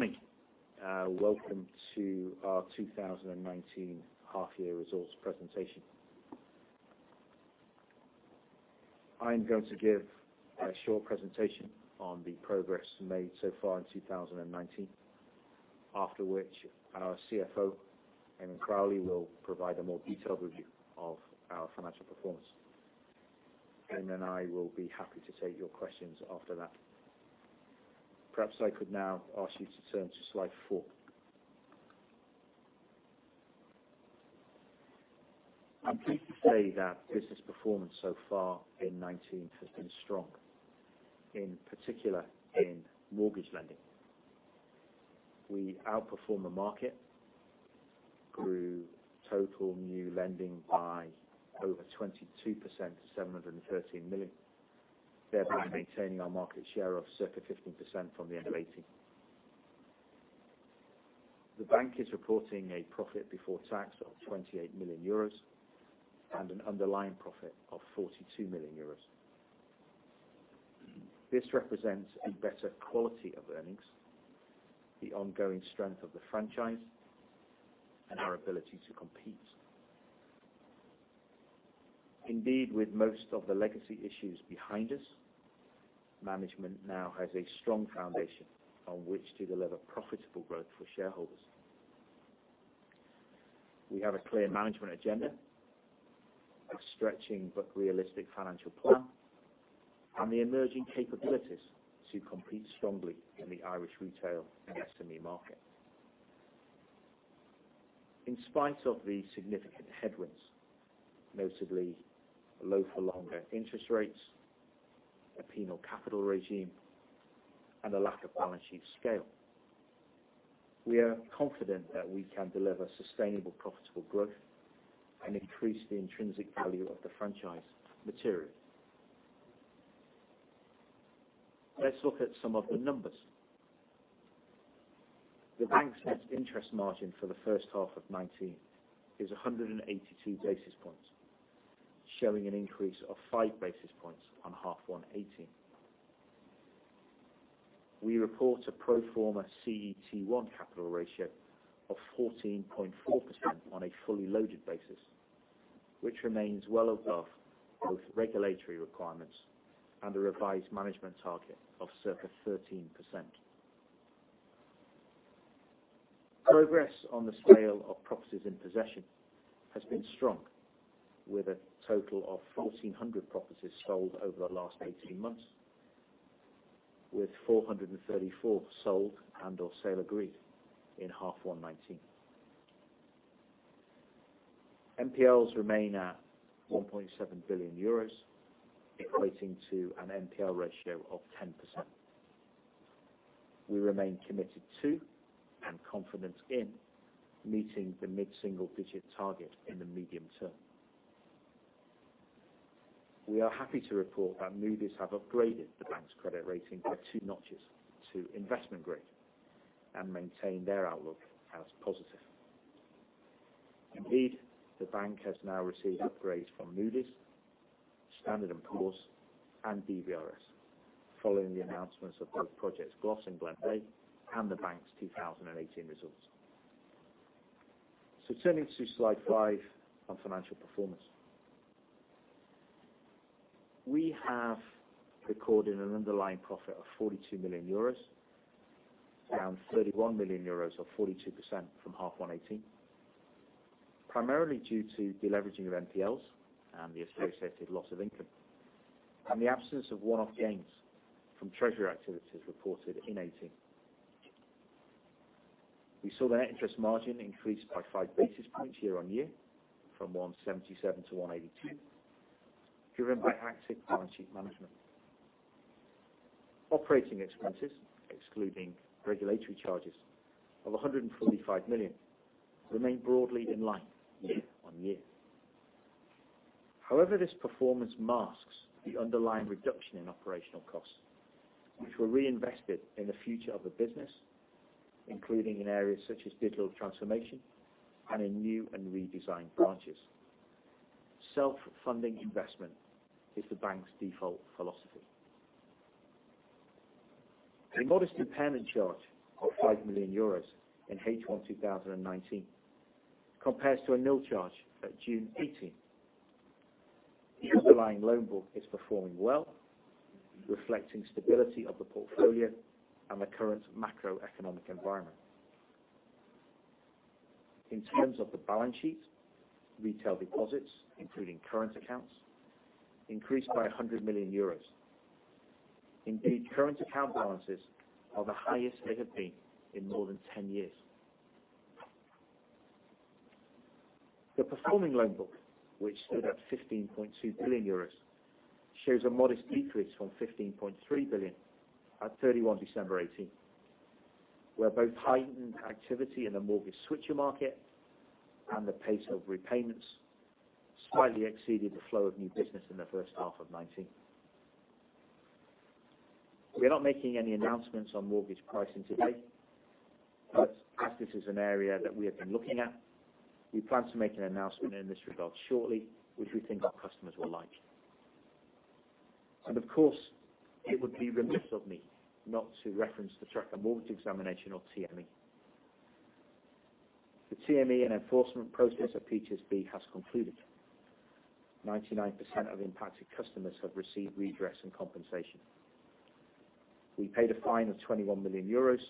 Morning. Welcome to our 2019 half year results presentation. I'm going to give a short presentation on the progress made so far in 2019. After which, our CFO, Eamonn Crowley, will provide a more detailed review of our financial performance. Then I will be happy to take your questions after that. Perhaps I could now ask you to turn to slide four. I'm pleased to say that business performance so far in 2019 has been strong, in particular in mortgage lending. We outperformed the market, grew total new lending by over 22% to 713 million, thereby maintaining our market share of circa 15% from the end of 2018. The bank is reporting a profit before tax of 28 million euros and an underlying profit of 42 million euros. This represents a better quality of earnings, the ongoing strength of the franchise, and our ability to compete. Indeed, with most of the legacy issues behind us, management now has a strong foundation on which to deliver profitable growth for shareholders. We have a clear management agenda, a stretching but realistic financial plan, and the emerging capabilities to compete strongly in the Irish retail and SME market. In spite of the significant headwinds, notably low for longer interest rates, a penal capital regime, and a lack of balance sheet scale, we are confident that we can deliver sustainable profitable growth and increase the intrinsic value of the franchise materially. Let's look at some of the numbers. The bank's net interest margin for the first half of 2019 is 182 basis points, showing an increase of five basis points on half 1 2018. We report a pro forma CET1 capital ratio of 14.4% on a fully loaded basis, which remains well above both regulatory requirements and the revised management target of circa 13%. Progress on the scale of properties in possession has been strong with a total of 1,400 properties sold over the last 18 months, with 434 sold and/or sale agreed in half 1 2019. NPLs remain at 1.7 billion euros, equating to an NPL ratio of 10%. We remain committed to and confident in meeting the mid-single-digit target in the medium term. We are happy to report that Moody's have upgraded the bank's credit rating by two notches to investment grade and maintain their outlook as positive. Indeed, the bank has now received upgrades from Moody's, Standard & Poor's, and DBRS following the announcements of both Projects Glas and Glenbeigh and the bank's 2018 results. Turning to slide five on financial performance. We have recorded an underlying profit of 42 million euros, down 31 million euros or 42% from H1 2018, primarily due to deleveraging of NPLs and the associated loss of income, and the absence of one-off gains from treasury activities reported in 2018. We saw the net interest margin increase by five basis points year-on-year from 177 to 182, driven by active balance sheet management. Operating expenses, excluding regulatory charges of 145 million, remain broadly in line year on year. However, this performance masks the underlying reduction in operational costs, which were reinvested in the future of the business, including in areas such as digital transformation and in new and redesigned branches. Self-funding investment is the bank's default philosophy. A modest impairment charge of 5 million euros in H1 2019 compares to a nil charge at June 2018. The underlying loan book is performing well, reflecting stability of the portfolio and the current macroeconomic environment. In terms of the balance sheet, retail deposits, including current accounts, increased by 100 million euros. Indeed, current account balances are the highest they have been in more than 10 years. The performing loan book, which stood at 15.2 billion euros, shows a modest decrease from 15.3 billion at 31 December 2018, where both heightened activity in the mortgage switcher market and the pace of repayments slightly exceeded the flow of new business in the first half of 2019. We are not making any announcements on mortgage pricing today, but as this is an area that we have been looking at, we plan to make an announcement in this regard shortly, which we think our customers will like. Of course, it would be remiss of me not to reference the tracker mortgage examination of TME. The TME and enforcement process at PTSB has concluded. 99% of impacted customers have received redress and compensation. We paid a fine of 21 million euros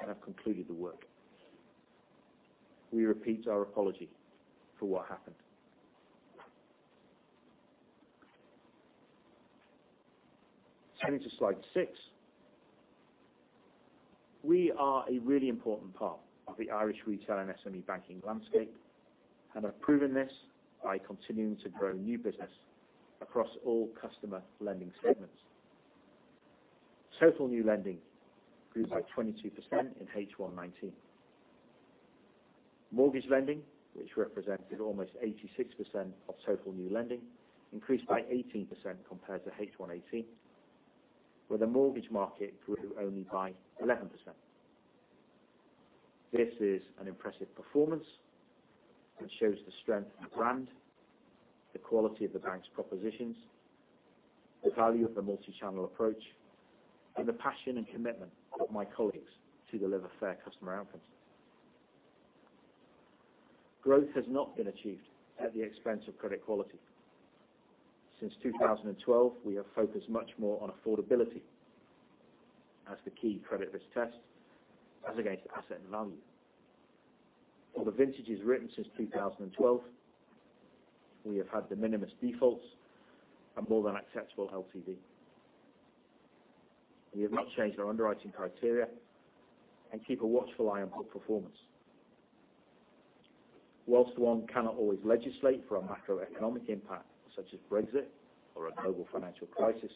and have concluded the work. We repeat our apology for what happened. Turning to slide six. We are a really important part of the Irish retail and SME banking landscape, and have proven this by continuing to grow new business across all customer lending segments. Total new lending grew by 22% in H1-19. Mortgage lending, which represented almost 86% of total new lending, increased by 18% compared to H1-18, where the mortgage market grew only by 11%. This is an impressive performance that shows the strength of the brand, the quality of the bank's propositions, the value of the multi-channel approach, and the passion and commitment of my colleagues to deliver fair customer outcomes. Growth has not been achieved at the expense of credit quality. Since 2012, we have focused much more on affordability as the key credit risk test as against asset value. For the vintages written since 2012, we have had de minimis defaults and more than acceptable LTV. We have not changed our underwriting criteria and keep a watchful eye on book performance. Whilst one cannot always legislate for a macroeconomic impact such as Brexit or a global financial crisis,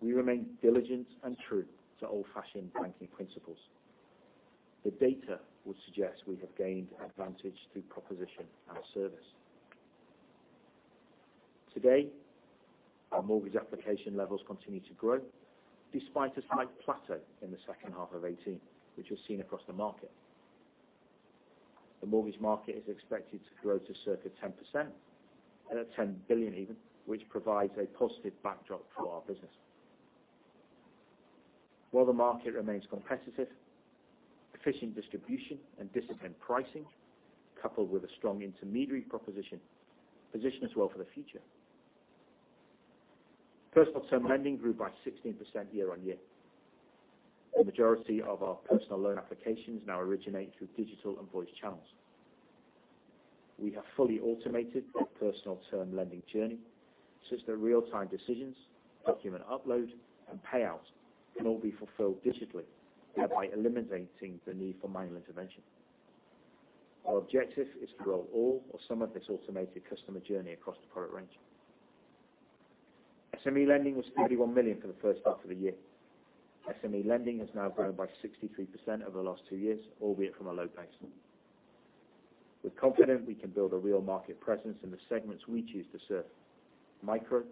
we remain diligent and true to old-fashioned banking principles. The data would suggest we have gained advantage through proposition and service. Today, our mortgage application levels continue to grow despite a slight plateau in the second half of 2018, which was seen across the market. The mortgage market is expected to grow to circa 10%, and at 10 billion even, which provides a positive backdrop for our business. While the market remains competitive, efficient distribution and disciplined pricing, coupled with a strong intermediary proposition, position us well for the future. Personal term lending grew by 16% year-over-year. The majority of our personal loan applications now originate through digital and voice channels. We have fully automated our personal term lending journey, such that real-time decisions, document upload, and payout can all be fulfilled digitally, thereby eliminating the need for manual intervention. Our objective is to roll all or some of this automated customer journey across the product range. SME lending was 31 million for the first half of the year. SME lending has now grown by 63% over the last two years, albeit from a low base. We're confident we can build a real market presence in the segments we choose to serve, micro,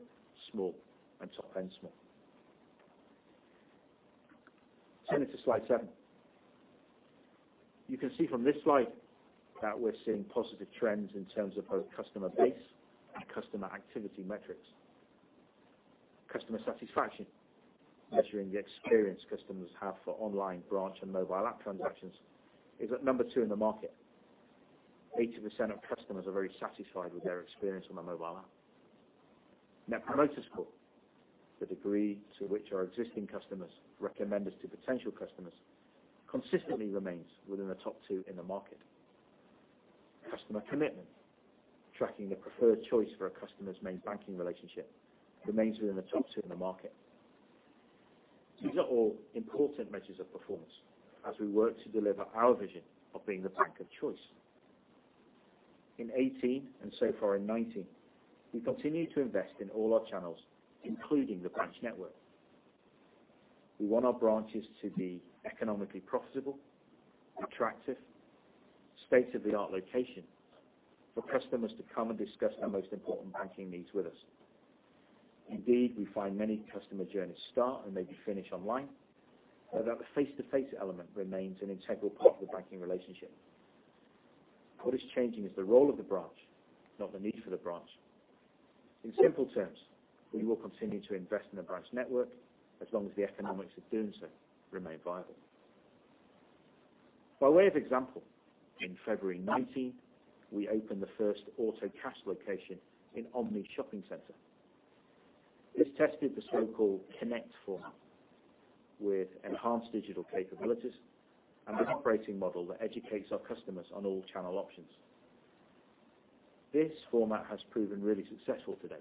small, and top-end small. Turning to slide seven. You can see from this slide that we're seeing positive trends in terms of both customer base and customer activity metrics. Customer satisfaction, measuring the experience customers have for online branch and mobile app transactions, is at number 2 in the market. 80% of customers are very satisfied with their experience on the mobile app. Net Promoter Score, the degree to which our existing customers recommend us to potential customers, consistently remains within the top two in the market. Customer commitment, tracking the preferred choice for a customer's main banking relationship, remains within the top two in the market. These are all important measures of performance as we work to deliver our vision of being the bank of choice. In 2018 and so far in 2019, we continue to invest in all our channels, including the branch network. We want our branches to be economically profitable, attractive, state-of-the-art locations for customers to come and discuss their most important banking needs with us. We find many customer journeys start and maybe finish online, but that the face-to-face element remains an integral part of the banking relationship. What is changing is the role of the branch, not the need for the branch. In simple terms, we will continue to invest in the branch network as long as the economics of doing so remain viable. By way of example, in February 2019, we opened the first AutoCash location in Omni Shopping Centre. This tested the so-called connect format with enhanced digital capabilities and an operating model that educates our customers on all channel options. This format has proven really successful to date.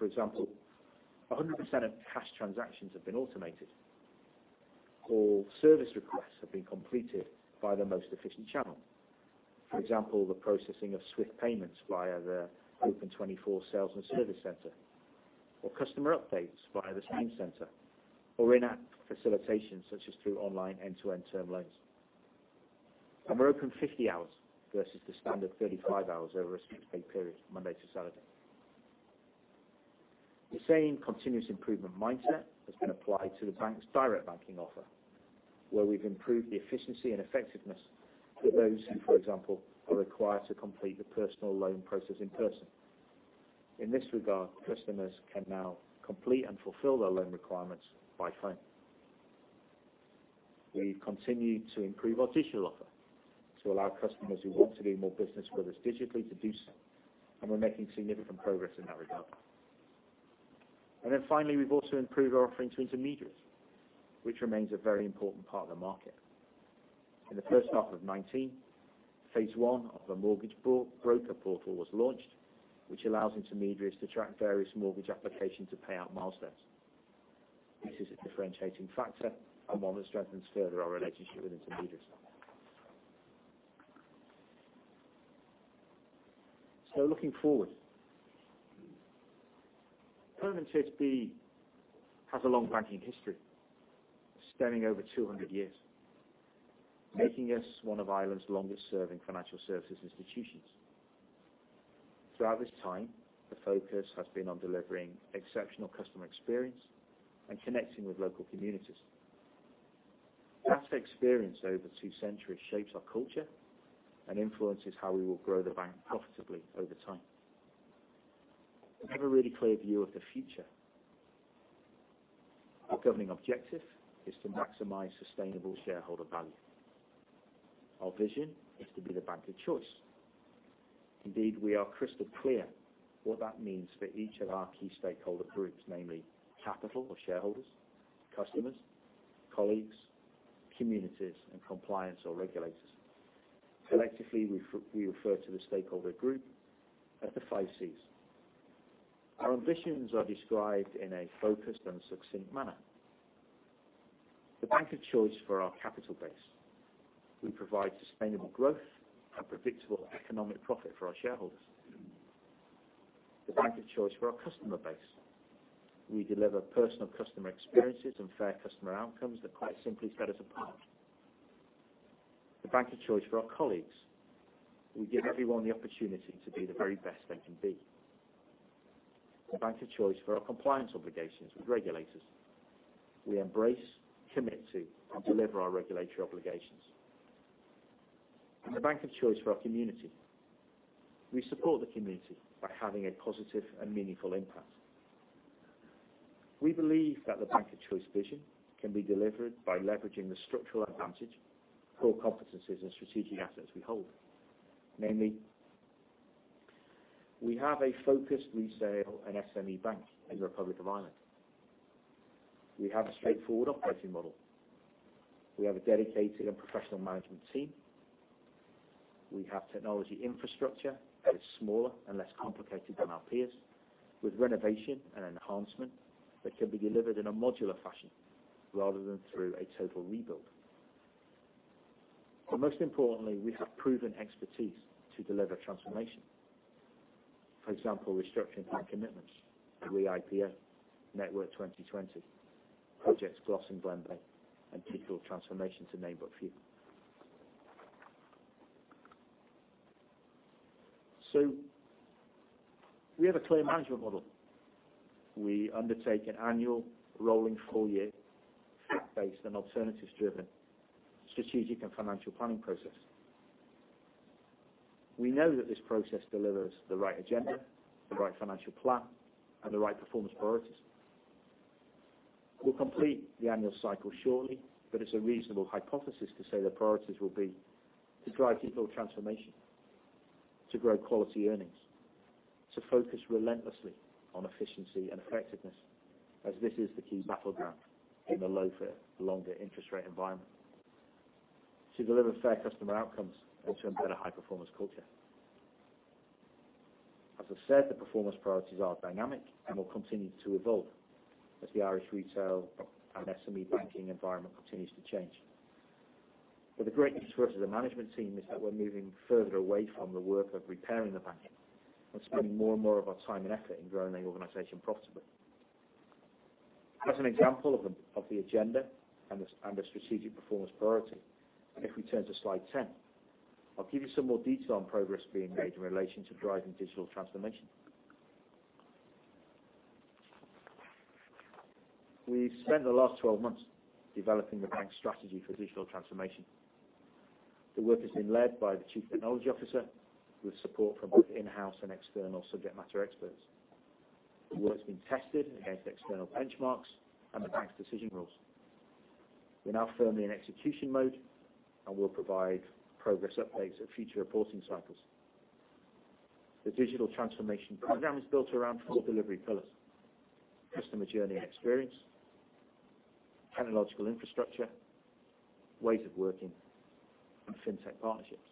For example, 100% of cash transactions have been automated or service requests have been completed by the most efficient channel. For example, the processing of SWIFT payments via the Open24 sales and service center, or customer updates via the same center, or in-app facilitation such as through online end-to-end term loans. We're open 50 hours versus the standard 35 hours over a strict paid period, Monday to Saturday. The same continuous improvement mindset has been applied to the bank's direct banking offer. Where we've improved the efficiency and effectiveness for those who, for example, are required to complete the personal loan process in person. In this regard, customers can now complete and fulfill their loan requirements by phone. We've continued to improve our digital offer to allow customers who want to do more business with us digitally to do so, and we're making significant progress in that regard. Finally, we've also improved our offering to intermediaries, which remains a very important part of the market. In the first half of 2019, phase I of our mortgage broker portal was launched, which allows intermediaries to track various mortgage applications to payout milestones. This is a differentiating factor and one that strengthens further our relationship with intermediaries. Looking forward, Permanent TSB has a long banking history spanning over 200 years, making us one of Ireland's longest-serving financial services institutions. Throughout this time, the focus has been on delivering exceptional customer experience and connecting with local communities. That experience over two centuries shapes our culture and influences how we will grow the bank profitably over time. We have a really clear view of the future. Our governing objective is to maximize sustainable shareholder value. Our vision is to be the bank of choice. Indeed, we are crystal clear what that means for each of our key stakeholder groups, namely capital or shareholders, customers, colleagues, communities, and compliance or regulators. Collectively, we refer to the stakeholder group as the five Cs. Our ambitions are described in a focused and succinct manner. The bank of choice for our capital base. We provide sustainable growth and predictable economic profit for our shareholders. The bank of choice for our customer base. We deliver personal customer experiences and fair customer outcomes that quite simply set us apart. The bank of choice for our colleagues. We give everyone the opportunity to be the very best they can be. The bank of choice for our compliance obligations with regulators. We embrace, commit to, and deliver our regulatory obligations. The bank of choice for our community. We support the community by having a positive and meaningful impact. We believe that the bank of choice vision can be delivered by leveraging the structural advantage, core competencies, and strategic assets we hold. Namely, we have a focused retail and SME bank in the Republic of Ireland. We have a straightforward operating model. We have a dedicated and professional management team. We have technology infrastructure that is smaller and less complicated than our peers, with renovation and enhancement that can be delivered in a modular fashion rather than through a total rebuild. Most importantly, we have proven expertise to deliver transformation. For example, restructuring our commitments, the ReIPF, Network 2020, projects Glas and Glenbeigh, and digital transformation to name but a few. We have a clear management model. We undertake an annual rolling full-year fact-based and alternatives-driven strategic and financial planning process. We know that this process delivers the right agenda, the right financial plan, and the right performance priorities. We'll complete the annual cycle shortly, but it's a reasonable hypothesis to say the priorities will be to drive digital transformation, to grow quality earnings, to focus relentlessly on efficiency and effectiveness, as this is the key battleground in the low for longer interest rate environment. To deliver fair customer outcomes and to embed a high-performance culture. As I said, the performance priorities are dynamic and will continue to evolve as the Irish retail and SME banking environment continues to change. The great news for us as a management team is that we're moving further away from the work of repairing the banking and spending more and more of our time and effort in growing the organization profitably. As an example of the agenda and a strategic performance priority, if we turn to slide 10, I'll give you some more detail on progress being made in relation to driving digital transformation. We've spent the last 12 months developing the bank's strategy for digital transformation. The work has been led by the chief technology officer with support from both in-house and external subject matter experts. The work's been tested against external benchmarks and the bank's decision rules. We're now firmly in execution mode, we'll provide progress updates at future reporting cycles. The digital transformation program is built around four delivery pillars: customer journey and experience, technological infrastructure, ways of working, and fintech partnerships.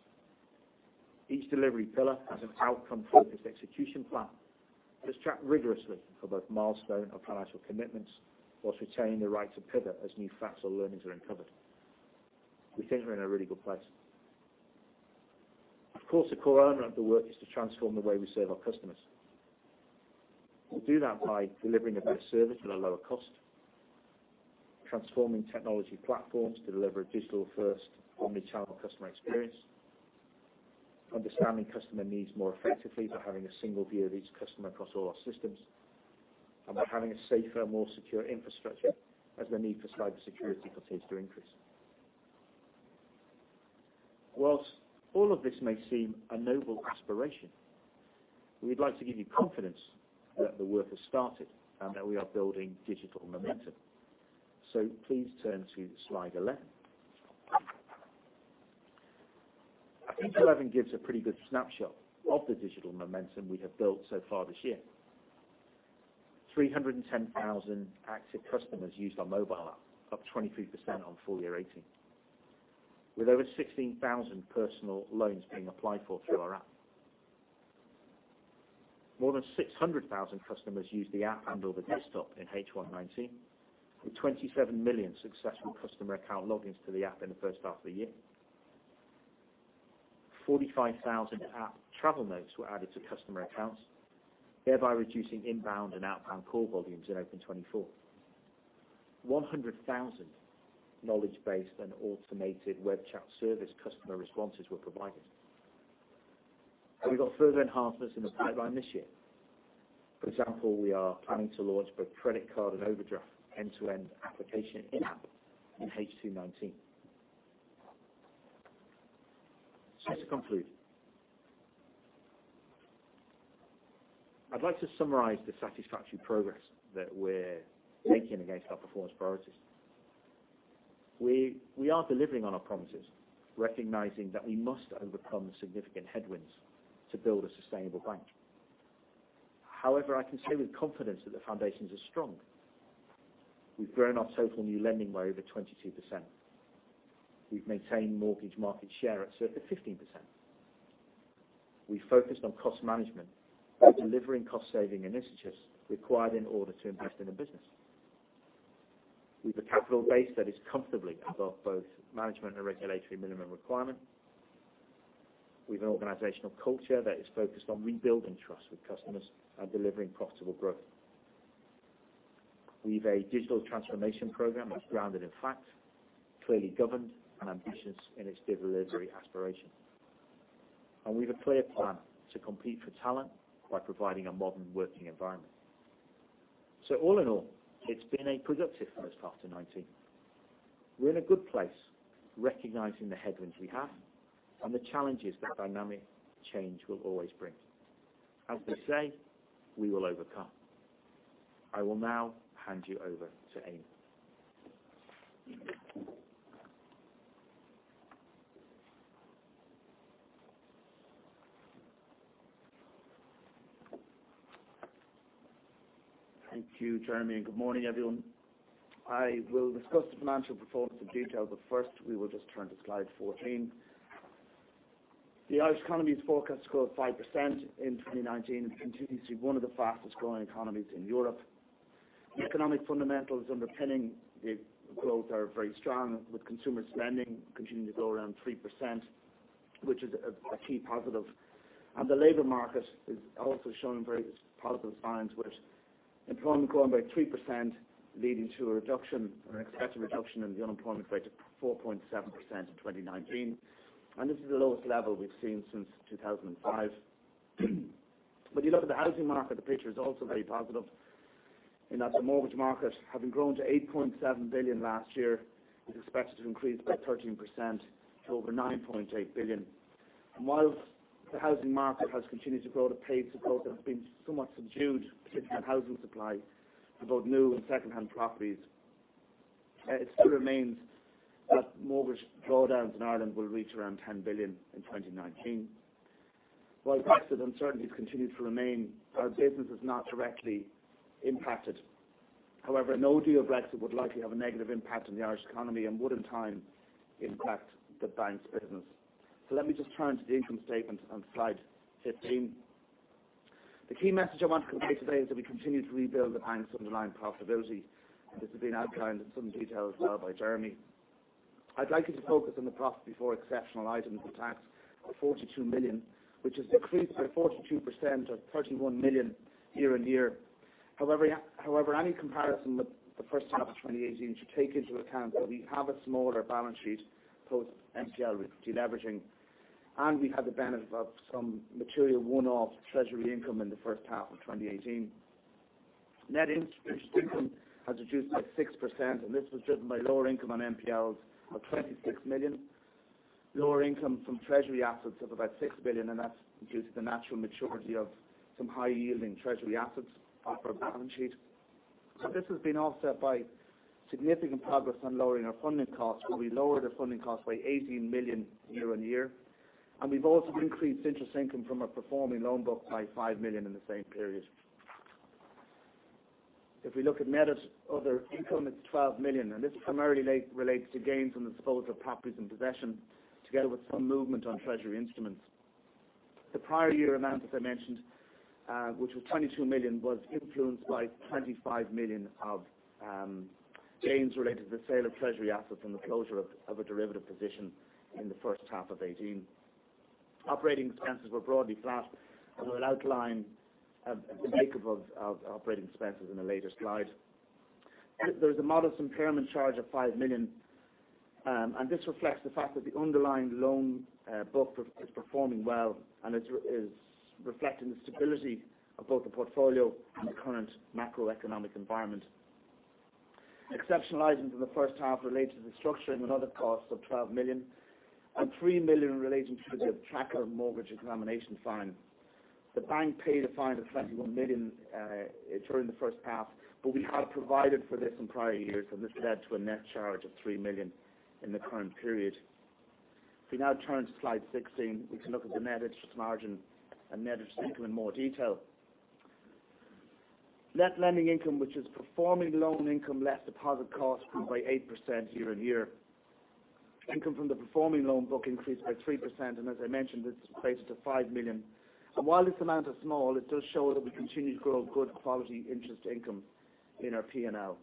Each delivery pillar has an outcome-focused execution plan that's tracked rigorously for both milestone or financial commitments whilst retaining the right to pivot as new facts or learnings are uncovered. We think we're in a really good place. Of course, the core owner of the work is to transform the way we serve our customers. We'll do that by delivering a better service at a lower cost, transforming technology platforms to deliver a digital-first omni-channel customer experience. Understanding customer needs more effectively by having a single view of each customer across all our systems, and by having a safer, more secure infrastructure as the need for cybersecurity continues to increase. Whilst all of this may seem a noble aspiration, we'd like to give you confidence that the work has started and that we are building digital momentum. Please turn to slide 11. Slide 11 gives a pretty good snapshot of the digital momentum we have built so far this year. 310,000 active customers used our mobile app, up 23% on full year 2018, with over 16,000 personal loans being applied for through our app. More than 600,000 customers used the app and/or the desktop in H1 2019, with 27 million successful customer account logins to the app in the first half of the year. 45,000 app travel notes were added to customer accounts, thereby reducing inbound and outbound call volumes in Open24. 100,000 knowledge base and automated web chat service customer responses were provided. We got further enhancements in the pipeline this year. For example, we are planning to launch both credit card and overdraft end-to-end application in-app in H2 2019. To conclude, I'd like to summarize the satisfactory progress that we're making against our performance priorities. We are delivering on our promises, recognizing that we must overcome significant headwinds to build a sustainable bank. However, I can say with confidence that the foundations are strong. We've grown our total new lending by over 22%. We've maintained mortgage market share at circa 15%. We've focused on cost management by delivering cost-saving initiatives required in order to invest in the business. We've a capital base that is comfortably above both management and regulatory minimum requirement. We've an organizational culture that is focused on rebuilding trust with customers and delivering profitable growth. We've a digital transformation program that's grounded in fact, clearly governed, and ambitious in its delivery aspiration. We've a clear plan to compete for talent by providing a modern working environment. All in all, it's been a productive first half to 2019. We're in a good place recognizing the headwinds we have and the challenges that dynamic change will always bring. As they say, we will overcome. I will now hand you over to Eamonn. Thank you, Jeremy. Good morning, everyone. I will discuss the financial performance in detail. First, we will just turn to slide 14. The Irish economy is forecast to grow at 5% in 2019 and continues to be one of the fastest growing economies in Europe. The economic fundamentals underpinning the growth are very strong, with consumer spending continuing to grow around 3%, which is a key positive. The labor market is also showing very positive signs with employment growing by 3%, leading to an expected reduction in the unemployment rate of 4.7% in 2019. This is the lowest level we've seen since 2005. When you look at the housing market, the picture is also very positive in that the mortgage market, having grown to 8.7 billion last year, is expected to increase by 13% to over 9.8 billion. Whilst the housing market has continued to grow at a pace, of course, that has been somewhat subdued, particularly with housing supply for both new and secondhand properties, it still remains that mortgage drawdowns in Ireland will reach around 10 billion in 2019. While Brexit uncertainties continue to remain, our business is not directly impacted. However, no deal Brexit would likely have a negative impact on the Irish economy and would, in time, impact the bank's business. Let me just turn to the income statement on slide 15. The key message I want to convey today is that we continue to rebuild the bank's underlying profitability, and this has been outlined in some detail as well by Jeremy. I'd like you to focus on the profit before exceptional items and tax of 42 million, which has decreased by 42% or 31 million year-on-year. However, any comparison with the first half of 2018 should take into account that we have a smaller balance sheet post NPL deleveraging. We had the benefit of some material one-off Treasury income in the first half of 2018. Net interest income has reduced by 6%. This was driven by lower income on NPLs of 26 million, lower income from Treasury assets of about 6 billion. That's due to the natural maturity of some high-yielding Treasury assets off our balance sheet. This has been offset by significant progress on lowering our funding costs, where we lowered our funding costs by 18 million year-on-year. We've also increased interest income from our performing loan book by 5 million in the same period. If we look at net of other income, it's 12 million. This primarily relates to gains on the disposal of properties and possession, together with some movement on Treasury instruments. The prior year amount, as I mentioned, which was 22 million, was influenced by 25 million of gains related to the sale of Treasury assets and the closure of a derivative position in the first half of 2018. Operating expenses were broadly flat. We'll outline the makeup of operating expenses in a later slide. There's a modest impairment charge of 5 million. This reflects the fact that the underlying loan book is performing well and is reflecting the stability of both the portfolio and the current macroeconomic environment. Exceptional items in the first half relate to the restructuring and other costs of 12 million, and 3 million relating to the tracker mortgage examination fine. The bank paid a fine of 21 million during the first half, but we had provided for this in prior years, and this led to a net charge of 3 million in the current period. If we now turn to slide 16, we can look at the net interest margin and net interest income in more detail. Net lending income, which is performing loan income less deposit costs, grew by 8% year-over-year. Income from the performing loan book increased by 3%, and as I mentioned, this equated to 5 million. While this amount is small, it does show that we continue to grow good quality interest income in our P&L.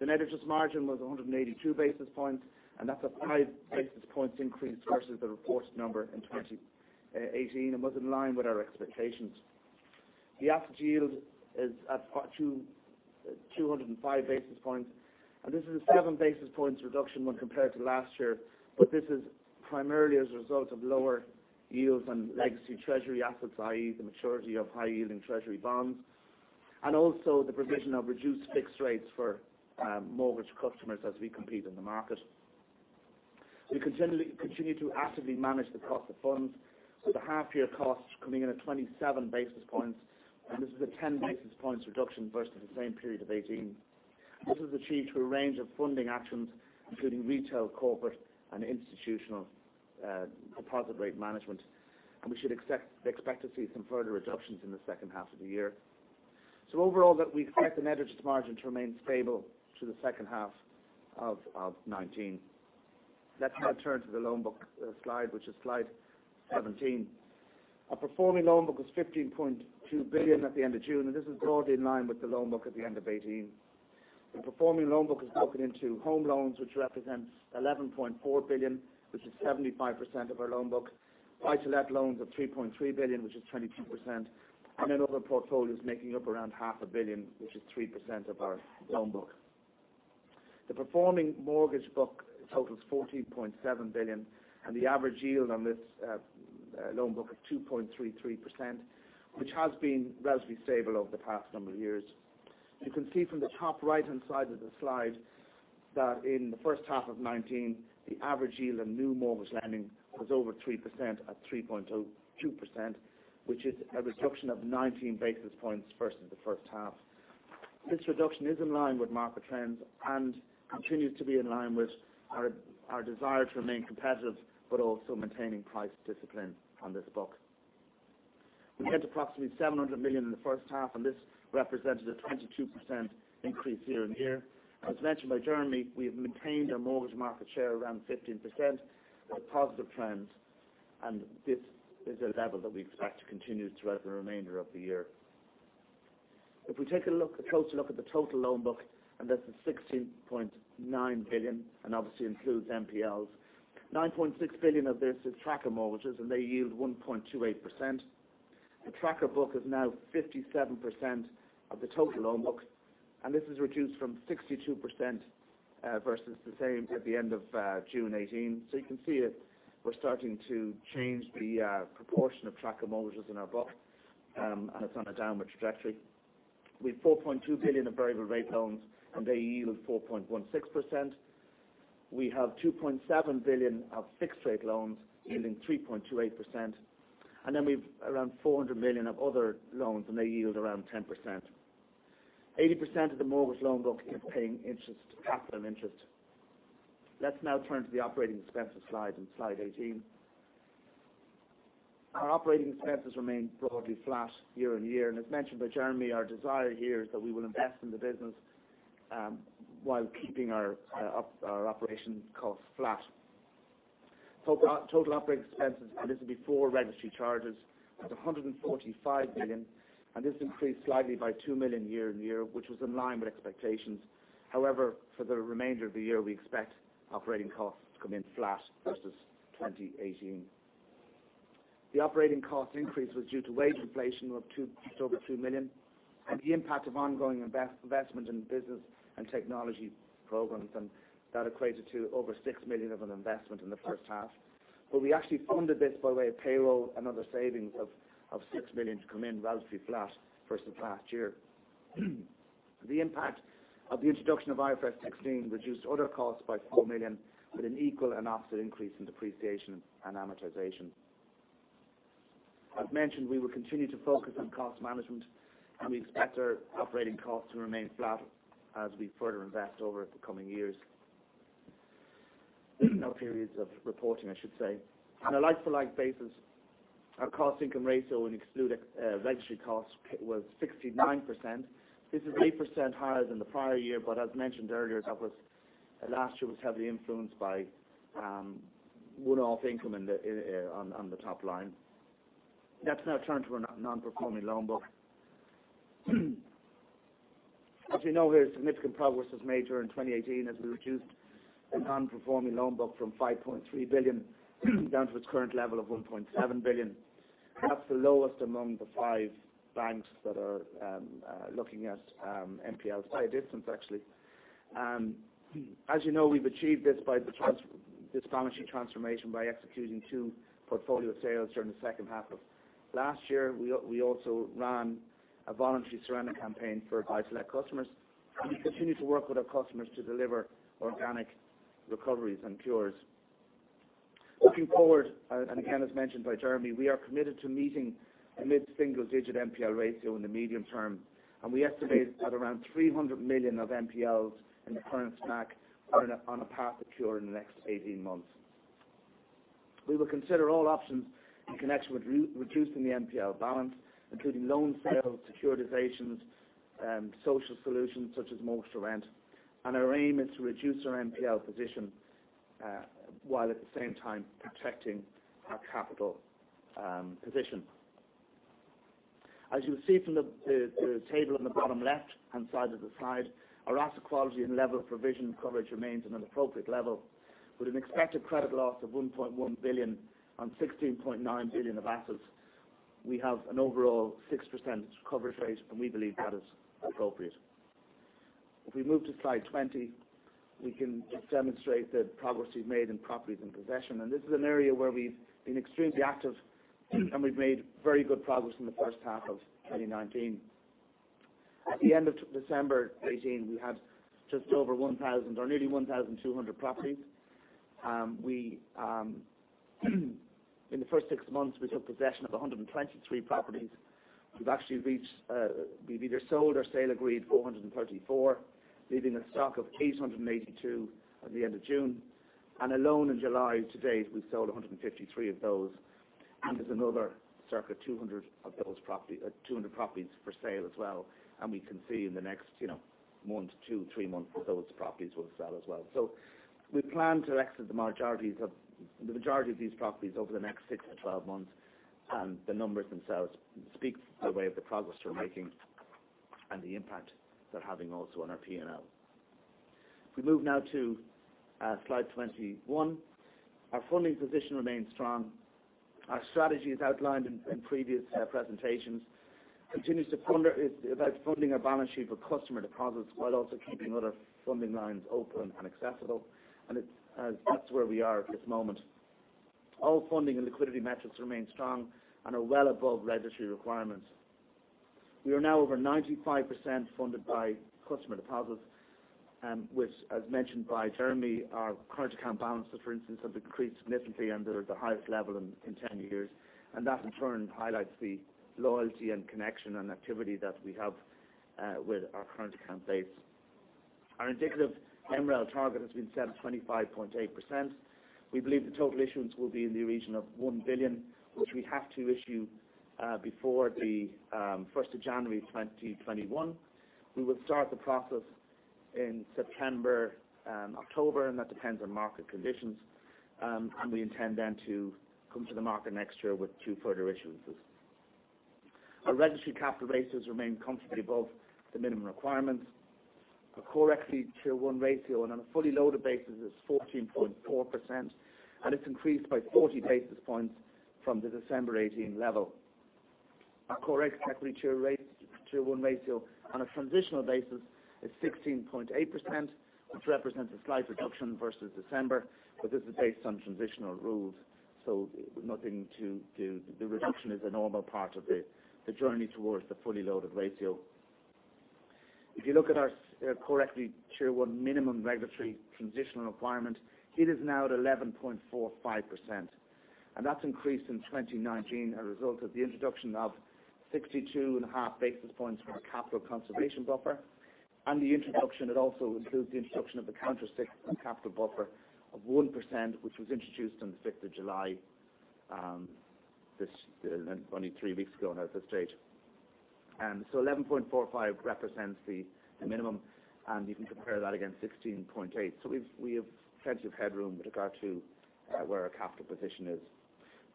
The net interest margin was 182 basis points, and that's a five basis points increase versus the reported number in 2018, and was in line with our expectations. The average yield is at 205 basis points, and this is a seven basis points reduction when compared to last year. This is primarily as a result of lower yields on legacy treasury assets, i.e., the maturity of high-yielding Treasury bonds, and also the provision of reduced fixed rates for mortgage customers as we compete in the market. We continue to actively manage the cost of funds, with the half year costs coming in at 27 basis points, and this is a 10 basis points reduction versus the same period of 2018. This was achieved through a range of funding actions, including retail, corporate, and institutional deposit rate management. We should expect to see some further reductions in the second half of the year. Overall, we expect the net interest margin to remain stable through the second half of 2019. Let's now turn to the loan book slide, which is slide 17. Our performing loan book was 15.2 billion at the end of June. This is broadly in line with the loan book at the end of 2018. The performing loan book is broken into home loans, which represents 11.4 billion, which is 75% of our loan book. Buy-to-let loans of 3.3 billion, which is 22%. Other portfolios making up around half a billion EUR, which is 3% of our loan book. The performing mortgage book totals 14.7 billion. The average yield on this loan book is 2.33%, which has been relatively stable over the past number of years. You can see from the top right-hand side of the slide that in the first half of 2019, the average yield on new mortgage lending was over 3% at 3.02%, which is a reduction of 19 basis points versus the first half. This reduction is in line with market trends and continues to be in line with our desire to remain competitive, but also maintaining price discipline on this book. We lent approximately 700 million in the first half, this represented a 22% increase year-over-year. As mentioned by Jeremy, we have maintained our mortgage market share around 15%, a positive trend, this is a level that we expect to continue throughout the remainder of the year. If we take a closer look at the total loan book, and this is 16.9 billion, and obviously includes NPLs, 9.6 billion of this is tracker mortgages, and they yield 1.28%. The tracker book is now 57% of the total loan book, and this is reduced from 62% versus the same at the end of June 2018. You can see we're starting to change the proportion of tracker mortgages in our book, and it's on a downward trajectory. We've 4.2 billion of variable rate loans, and they yield 4.16%. We have 2.7 billion of fixed rate loans yielding 3.28%, and then we've around 400 million of other loans, and they yield around 10%. 80% of the mortgage loan book is paying capital interest. Let's now turn to the operating expenses slide in slide 18. Our operating expenses remain broadly flat year-on-year, and as mentioned by Jeremy, our desire here is that we will invest in the business while keeping our operation costs flat. Total operating expenses, and this is before regulatory charges, was 145 million, and this increased slightly by 2 million year-on-year, which was in line with expectations. However, for the remainder of the year, we expect operating costs to come in flat versus 2018. The operating cost increase was due to wage inflation of just over 2 million and the impact of ongoing investment in business and technology programs, and that equated to over 6 million of an investment in the first half. We actually funded this by way of payroll and other savings of 6 million to come in relatively flat versus last year. The impact of the introduction of IFRS 16 reduced other costs by 4 million with an equal and opposite increase in depreciation and amortization. As mentioned, we will continue to focus on cost management. We expect our operating costs to remain flat as we further invest over the coming years. No periods of reporting, I should say. On a like-for-like basis, our cost income ratio when you exclude registry costs was 69%. As mentioned earlier, last year was heavily influenced by one-off income on the top line. Let's now turn to our non-performing loan book. As we know here, significant progress was made during 2018 as we reduced the non-performing loan book from 5.3 billion down to its current level of 1.7 billion. That's the lowest among the five banks that are looking at NPLs by a distance, actually. As you know, we've achieved this balance sheet transformation by executing two portfolio sales during the second half of last year. We also ran a voluntary surrender campaign for isolate customers. We continue to work with our customers to deliver organic recoveries and cures. Looking forward, and again, as mentioned by Jeremy, we are committed to meeting a mid-single digit NPL ratio in the medium term, and we estimate that around 300 million of NPLs in the current stack are on a path to cure in the next 18 months. We will consider all options in connection with reducing the NPL balance, including loan sales, securitizations, social solutions such as Mortgage to Rent, and our aim is to reduce our NPL position while at the same time protecting our capital position. As you will see from the table on the bottom left-hand side of the slide, our asset quality and level of provision coverage remains at an appropriate level, with an expected credit loss of 1.1 billion on 16.9 billion of assets. We have an overall 6% coverage rate, and we believe that is appropriate. If we move to slide 20, we can demonstrate the progress we've made in properties and possession. This is an area where we've been extremely active and we've made very good progress in the first half of 2019. At the end of December 2018, we had just over 1,000 or nearly 1,200 properties. In the first six months, we took possession of 123 properties. We've either sold or sale agreed 434, leaving a stock of 882 at the end of June. Alone in July to date, we've sold 153 of those. There's another circuit 200 properties for sale as well. We can see in the next one to two, three months those properties will sell as well. We plan to exit the majority of these properties over the next six to 12 months. The numbers themselves speak to the way of the progress we're making and the impact they're having also on our P&L. If we move now to slide 21, our funding position remains strong. Our strategy, as outlined in previous presentations, continues to fund our balance sheet with customer deposits while also keeping other funding lines open and accessible. That's where we are at this moment. All funding and liquidity metrics remain strong and are well above regulatory requirements. We are now over 95% funded by customer deposits, which as mentioned by Jeremy, our current account balances, for instance, have increased significantly and they're at the highest level in 10 years. That in turn highlights the loyalty and connection and activity that we have with our current account base. Our indicative MREL target has been set at 25.8%. We believe the total issuance will be in the region of 1 billion, which we have to issue before the 1st of January 2021. We will start the process in September, October, and that depends on market conditions. We intend then to come to the market next year with two further issuances. Our regulatory capital ratios remain comfortably above the minimum requirements. Our core equity Tier 1 ratio on a fully loaded basis is 14.4%, and it's increased by 40 basis points from the December 2018 level. Our core equity tier 1 ratio on a transitional basis is 16.8%, which represents a slight reduction versus December. This is based on transitional rules, the reduction is a normal part of the journey towards the fully loaded ratio. If you look at our core equity tier 1 minimum regulatory transitional requirement, it is now at 11.45%. That's increased in 2019 as a result of the introduction of 62.5 basis points from the capital conservation buffer and it also includes the introduction of the countercyclical capital buffer of 1%, which was introduced on the 5th of July, only three weeks ago now at this stage. 11.45 represents the minimum. You can compare that against 16.8. We have plenty of headroom with regard to where our capital position is.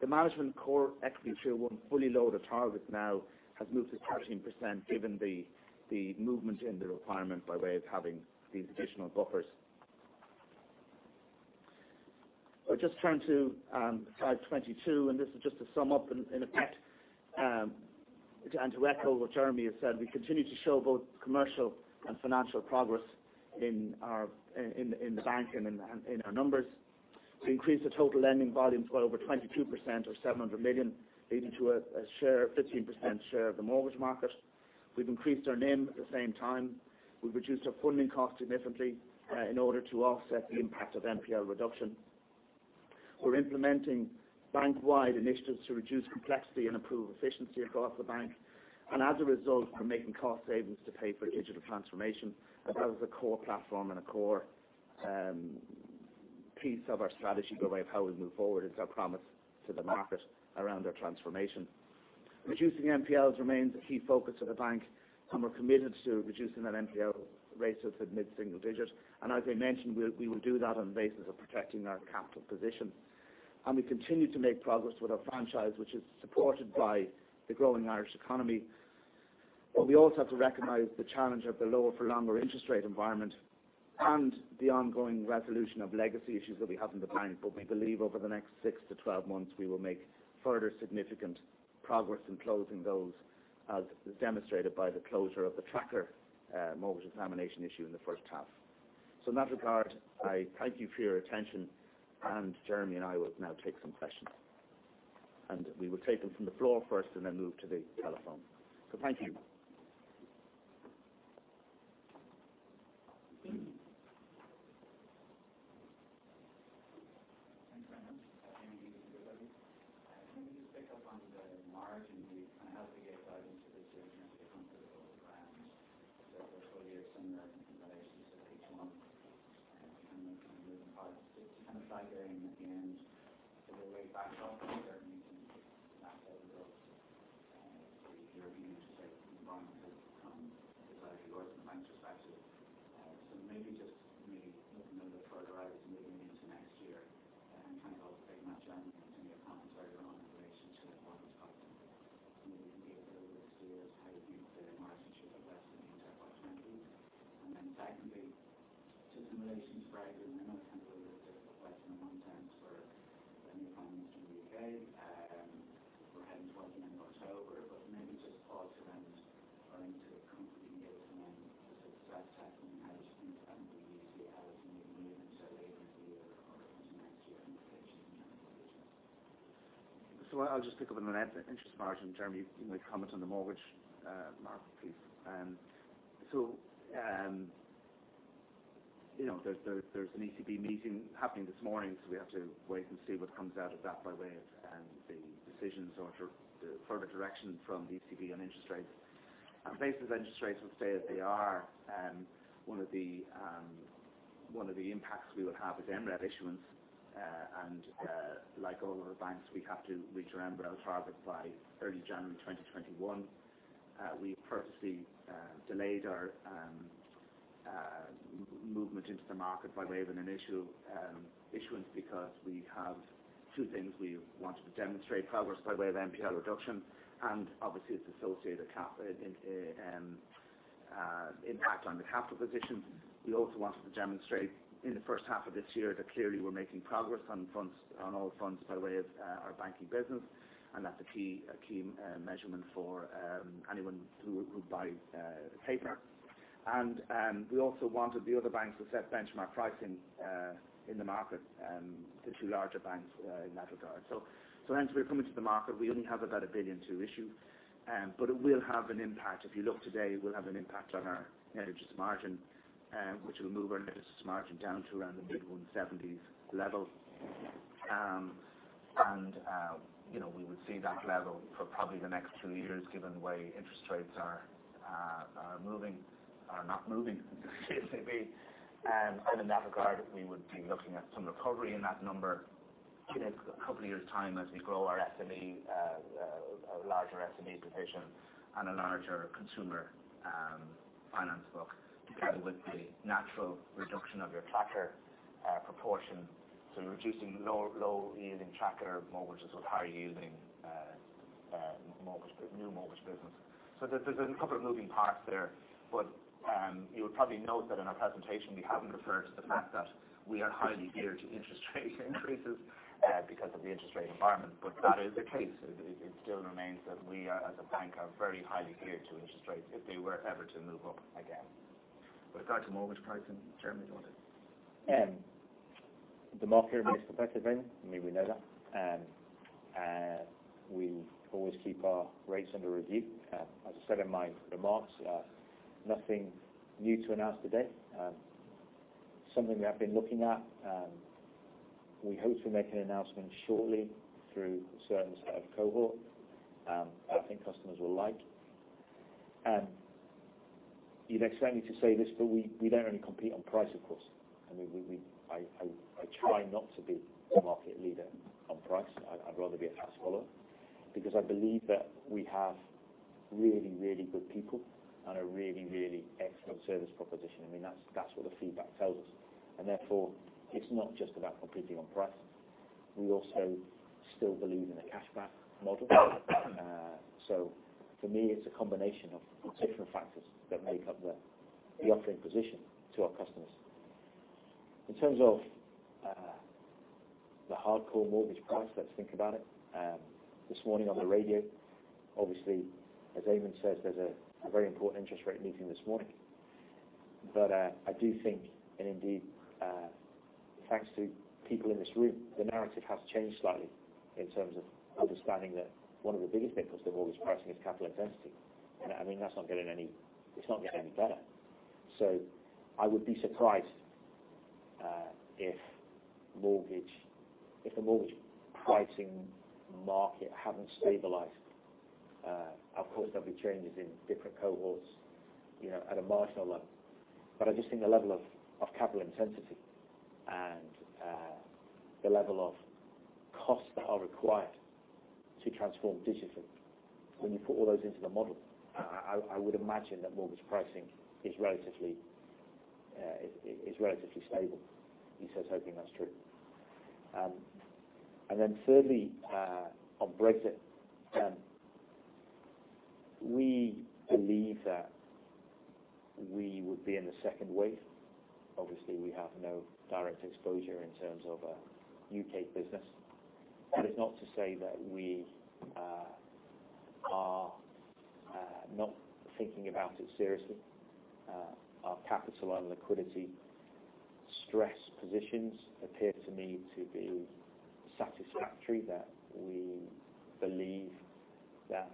The management core equity tier 1 fully loaded target now has moved to 13% given the movement in the requirement by way of having these additional buffers. If we just turn to slide 22. This is just to sum up in effect. To echo what Jeremy has said, we continue to show both commercial and financial progress in the bank and in our numbers. We increased the total lending volumes by over 22% or 700 million, leading to a 15% share of the mortgage market. We've increased our NIM at the same time. We've reduced our funding cost significantly in order to offset the impact of NPL reduction. We're implementing bank-wide initiatives to reduce complexity and improve efficiency across the bank. As a result, we're making cost savings to pay for digital transformation. That is a core platform and a core piece of our strategy by way of how we move forward. It's our promise to the market around our transformation. Reducing NPLs remains a key focus of the bank, and we're committed to reducing that NPL ratio to mid-single digits. As I mentioned, we will do that on the basis of protecting our capital position. We continue to make progress with our franchise, which is supported by the growing Irish economy. We also have to recognize the challenge of the lower for longer interest rate environment and the ongoing resolution of legacy issues that we have in the bank. We believe over the next six to 12 months, we will make further significant progress in closing those, as demonstrated by the closure of the tracker mortgage examination issue in the first half. In that regard, I thank you for your attention, and Jeremy and I will now take some questions. We will take them from the floor first and then move to the telephone. Thank you. Thanks very much. Can we just pick up on the margin? Can I have the year guidance for this year compared to in relation to each one? Kind of moving forward, just to kind of factor in at the end, if it were to back off, Jeremy, can you factor the European interest rate environment from both yours and the bank's perspective. Maybe just looking a little bit further out, maybe into next year, and kind of also matching it to your comments earlier on in relation to the mortgage pricing. Maybe you can give a little steer as to how you think the margins should progress into 2022. Secondly, just in relation to Brexit, I know it's kind of a difficult question a month out for any prime minister in the U.K. We're heading toward the end of October, maybe just thoughts around running to the company year to then to sort of start tackling how you think NBC will be looking at moving into later in the year or into next year in relation to. I'll just pick up on the interest margin, Jeremy, you might comment on the mortgage mark, please. There's an ECB meeting happening this morning, so we have to wait and see what comes out of that by way of the decisions or further direction from the ECB on interest rates. Basically, the interest rates will stay as they are. One of the impacts we would have is MREL issuance, and like all other banks, we have to reach our MREL target by early January 2021. We purposely delayed our movement into the market by way of an issuance because we have two things we wanted to demonstrate: progress by way of NPL reduction, and obviously, its associated impact on the capital position. We also wanted to demonstrate in the first half of this year that clearly we're making progress on all fronts by way of our banking business, that's a key measurement for anyone who would buy the paper. We also wanted the other banks to set benchmark pricing in the market, the two larger banks in that regard. Hence we're coming to the market. We only have about 1 billion to issue, but it will have an impact. If you look today, it will have an impact on our net interest margin, which will move our net interest margin down to around the mid-170s level. We would see that level for probably the next two years, given the way interest rates are not moving at the ECB. In that regard, we would be looking at some recovery in that number in a couple of years' time as we grow our larger SME position and a larger consumer finance book, together with the natural reduction of your tracker proportion. You're reducing low-yielding tracker mortgages with higher-yielding new mortgage business. There's a couple of moving parts there, but you'll probably note that in our presentation, we haven't referred to the fact that we are highly geared to interest rate increases because of the interest rate environment. That is the case. It still remains that we, as a bank, are very highly geared to interest rates if they were ever to move up again. Would it go to mortgage pricing, Jeremy, do you want to take it? The market remains competitive. I mean, we know that. We always keep our rates under review. As I said in my remarks, nothing new to announce today. Something we have been looking at, we hope to make an announcement shortly through a certain set of cohort I think customers will like. You'd expect me to say this, we don't only compete on price, of course. I try not to be the market leader on price. I'd rather be a fast follower because I believe that we have really, really good people and a really, really excellent service proposition. That's what the feedback tells us, therefore, it's not just about competing on price. We also still believe in a cashback model. For me, it's a combination of different factors that make up the offering position to our customers. In terms of the hardcore mortgage price, let's think about it. This morning on the radio, obviously, as Eamonn says, there's a very important interest rate meeting this morning. I do think, and indeed, thanks to people in this room, the narrative has changed slightly in terms of understanding that one of the biggest victims of mortgage pricing is capital intensity. It's not getting any better. I would be surprised if the mortgage pricing market hasn't stabilized. Of course, there'll be changes in different cohorts at a marginal level. I just think the level of capital intensity and the level of costs that are required to transform digitally, when you put all those into the model, I would imagine that mortgage pricing is relatively stable. Here's hoping that's true. Thirdly, on Brexit, we believe that we would be in the second wave. Obviously, we have no direct exposure in terms of a U.K. business. That is not to say that we are not thinking about it seriously. Our capital and liquidity stress positions appear to me to be satisfactory, that we believe that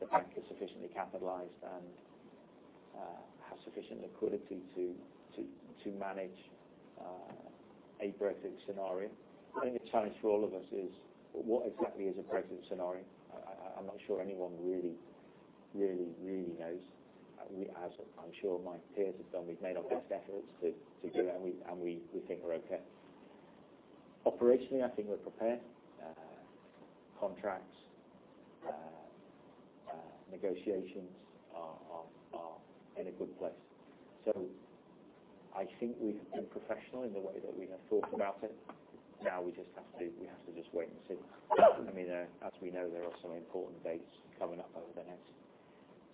the bank is sufficiently capitalized and has sufficient liquidity to manage a Brexit scenario. I think the challenge for all of us is, what exactly is a Brexit scenario? I'm not sure anyone really knows. As I'm sure my peers have done, we've made our best efforts to do it, and we think we're okay. Operationally, I think we're prepared. Contracts, negotiations are in a good place. I think we've been professional in the way that we have thought about it. Now we have to just wait and see. As we know, there are some important dates coming up over the next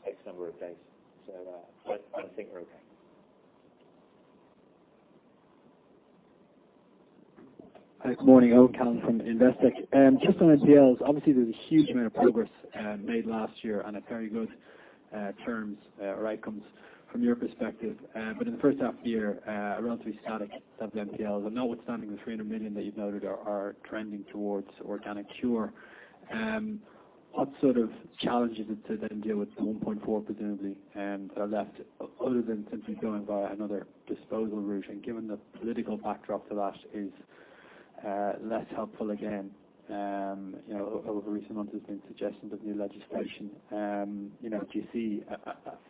X number of days. I think we're okay. Hi, good morning. Owen Callan from Investec. Just on NPLs, obviously, there's a huge amount of progress made last year on very good terms or outcomes from your perspective. In the first half of the year, relatively static NPLs and notwithstanding the 300 million that you've noted are trending towards organic cure. What sort of challenges to then deal with the 1.4 presumably, are left, other than simply going via another disposal route? Given the political backdrop to that is less helpful again. Over recent months, there's been suggestions of new legislation. Do you see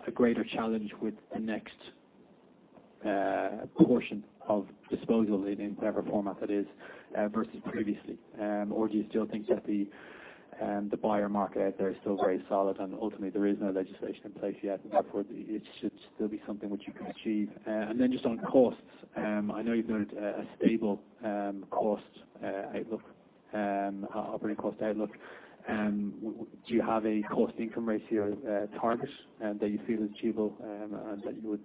a greater challenge with the next portion of disposal in whatever format it is versus previously? Do you still think that the buyer market out there is still very solid, and ultimately, there is no legislation in place yet, and therefore it should still be something which you can achieve. Just on costs, I know you've noted a stable cost outlook, operating cost outlook. Do you have a cost-income ratio target that you feel is achievable and that you would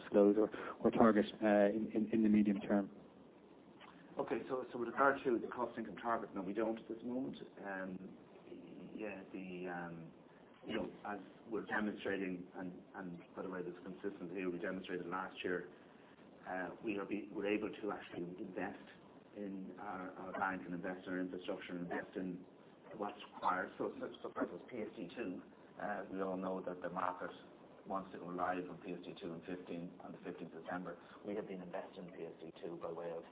disclose or target in the medium term? Okay. With regard to the cost-income target, no, we don't at this moment. As we're demonstrating, and by the way, this is consistent to what we demonstrated last year, we're able to actually invest in our bank and invest in our infrastructure and invest in what's required. For purpose PSD2, we all know that the market wants to go live on PSD2 on the 15th of September. We have been investing in PSD2 by way of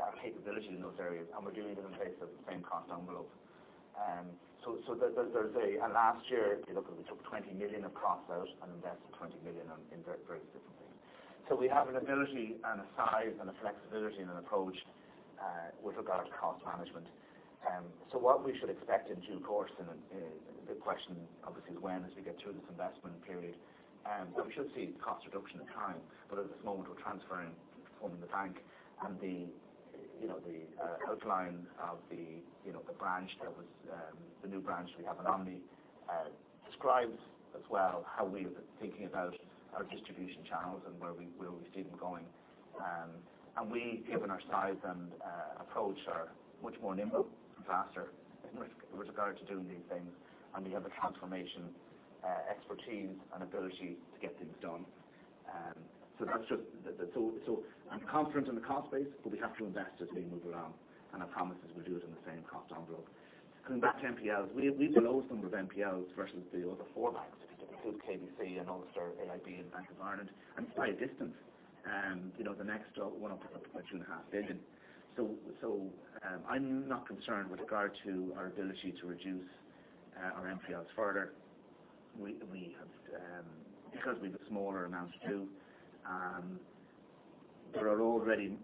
our capability in those areas, and we're doing it on the basis of the same cost envelope. Last year, if you look, we took 20 million of costs out and invested 20 million in various different things. We have an ability and a size and a flexibility and an approach with regard to cost management. What we should expect in due course, and the question, obviously, is when, as we get through this investment period. We should see cost reduction in time. At this moment, we're transferring and forming the bank, and the outline of the new branch we have at Omni describes as well how we are thinking about our distribution channels and where we see them going. We, given our size and approach, are much more nimble and faster with regard to doing these things, and we have the transformation expertise and ability to get things done. I'm confident in the cost base, but we have to invest as we move around, and I promise as we do it in the same cost envelope. Coming back to NPLs, we have the lowest number of NPLs versus the other four banks, if you take AIB, KBC, and Ulster, AIB, and Bank of Ireland, and by a distance. The next one up about two and a half billion. I'm not concerned with regard to our ability to reduce our NPLs further because we have a smaller amount to do. There are already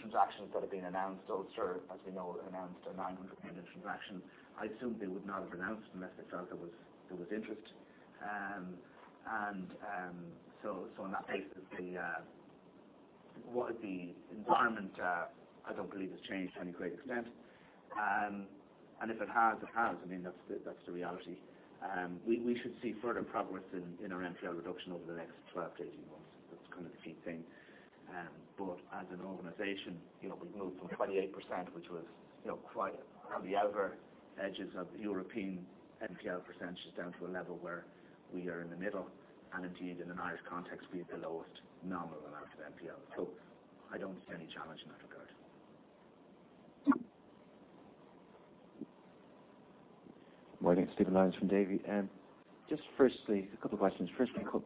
transactions that have been announced. Ulster, as we know, announced a 900 million transaction. I assume they would not have announced unless they felt there was interest. On that basis, the environment, I don't believe, has changed to any great extent. If it has, it has. That's the reality. We should see further progress in our NPL reduction over the next 12 to 18 months. That's kind of the key thing. As an organization, we've moved from 28%, which was on the outer edges of European NPL percentages, down to a level where we are in the middle, and indeed, in an Irish context, we have the lowest nominal amount of NPL. I don't see any challenge in that regard. Morning. Stephen Lyons from Davy. Just firstly, a couple of questions. First one,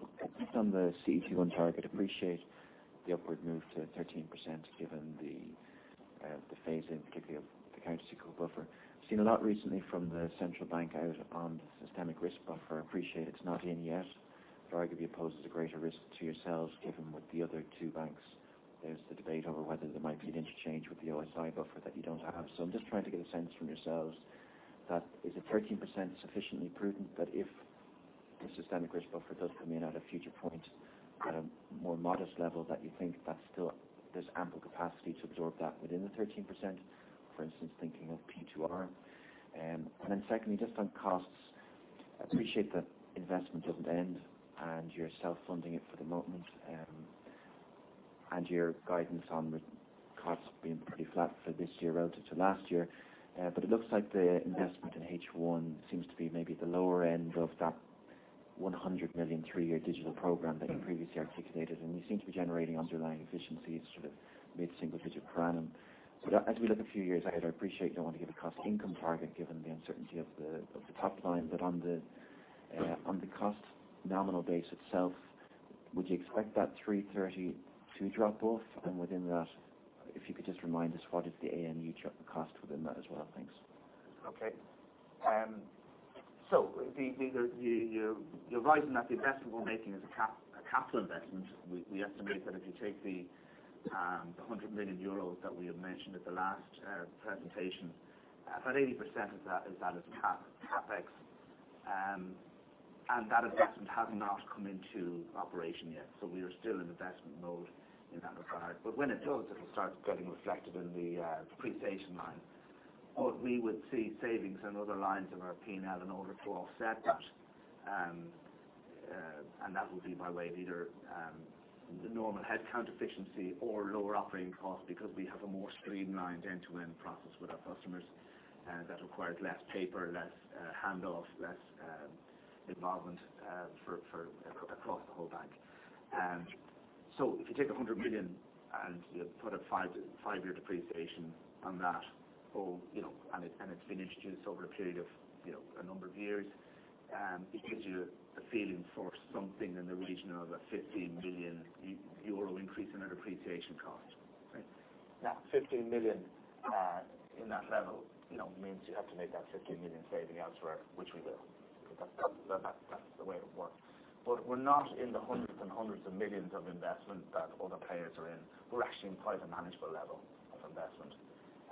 on the CET1 target, appreciate the upward move to 13% given the phase-in, particularly of the countercyclical buffer. Seen a lot recently from the central bank out on the systemic risk buffer. I appreciate it's not in yet, but arguably poses a greater risk to yourselves given with the other two banks, there's the debate over whether there might be an interchange with the O-SII buffer that you don't have. I'm just trying to get a sense from yourselves that is a 13% sufficiently prudent that if the systemic risk buffer does come in at a future point at a more modest level that you think that still there's ample capacity to absorb that within the 13%, for instance, thinking of P2R. Secondly, just on costs, I appreciate that investment doesn't end, and you're self-funding it for the moment, and your guidance on the costs being pretty flat for this year relative to last year. It looks like the investment in H1 seems to be maybe the lower end of that 100 million, three-year digital program that you previously articulated, and you seem to be generating underlying efficiencies, mid-single digit per annum. As we look a few years ahead, I appreciate you don't want to give a cost income target given the uncertainty of the top line, but on the cost nominal base itself, would you expect that 330 to drop off? Within that, if you could just remind us what is the ANU cost within that as well. Thanks. You're right in that the investment we're making is a capital investment. We estimate that if you take the 100 million euros that we had mentioned at the last presentation, about 80% of that is CapEx. That investment has not come into operation yet. We are still in investment mode in that regard. When it does, it'll start getting reflected in the depreciation line. We would see savings on other lines of our P&L in order to offset that. That will be by way of either the normal headcount efficiency or lower operating costs because we have a more streamlined end-to-end process with our customers that requires less paper, less handoff, less involvement, across the whole bank. If you take 100 million and you put a five-year depreciation on that, and it has been introduced over a period of a number of years, it gives you a feeling for something in the region of a 15 million euro increase in our depreciation cost. Right? That 15 million, in that level, means you have to make that 15 million saving elsewhere, which we will. That's the way it works. We are not in the hundreds and hundreds of millions of investment that other players are in. We are actually in quite a manageable level of investment,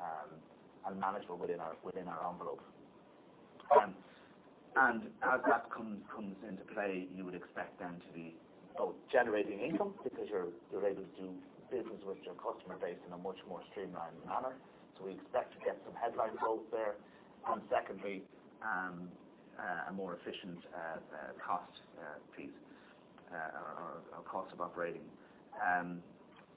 and manageable within our envelope. As that comes into play, you would expect them to be both generating income because you are able to do business with your customer base in a much more streamlined manner. We expect to get some headline growth there. Secondly, a more efficient cost piece, or cost of operating.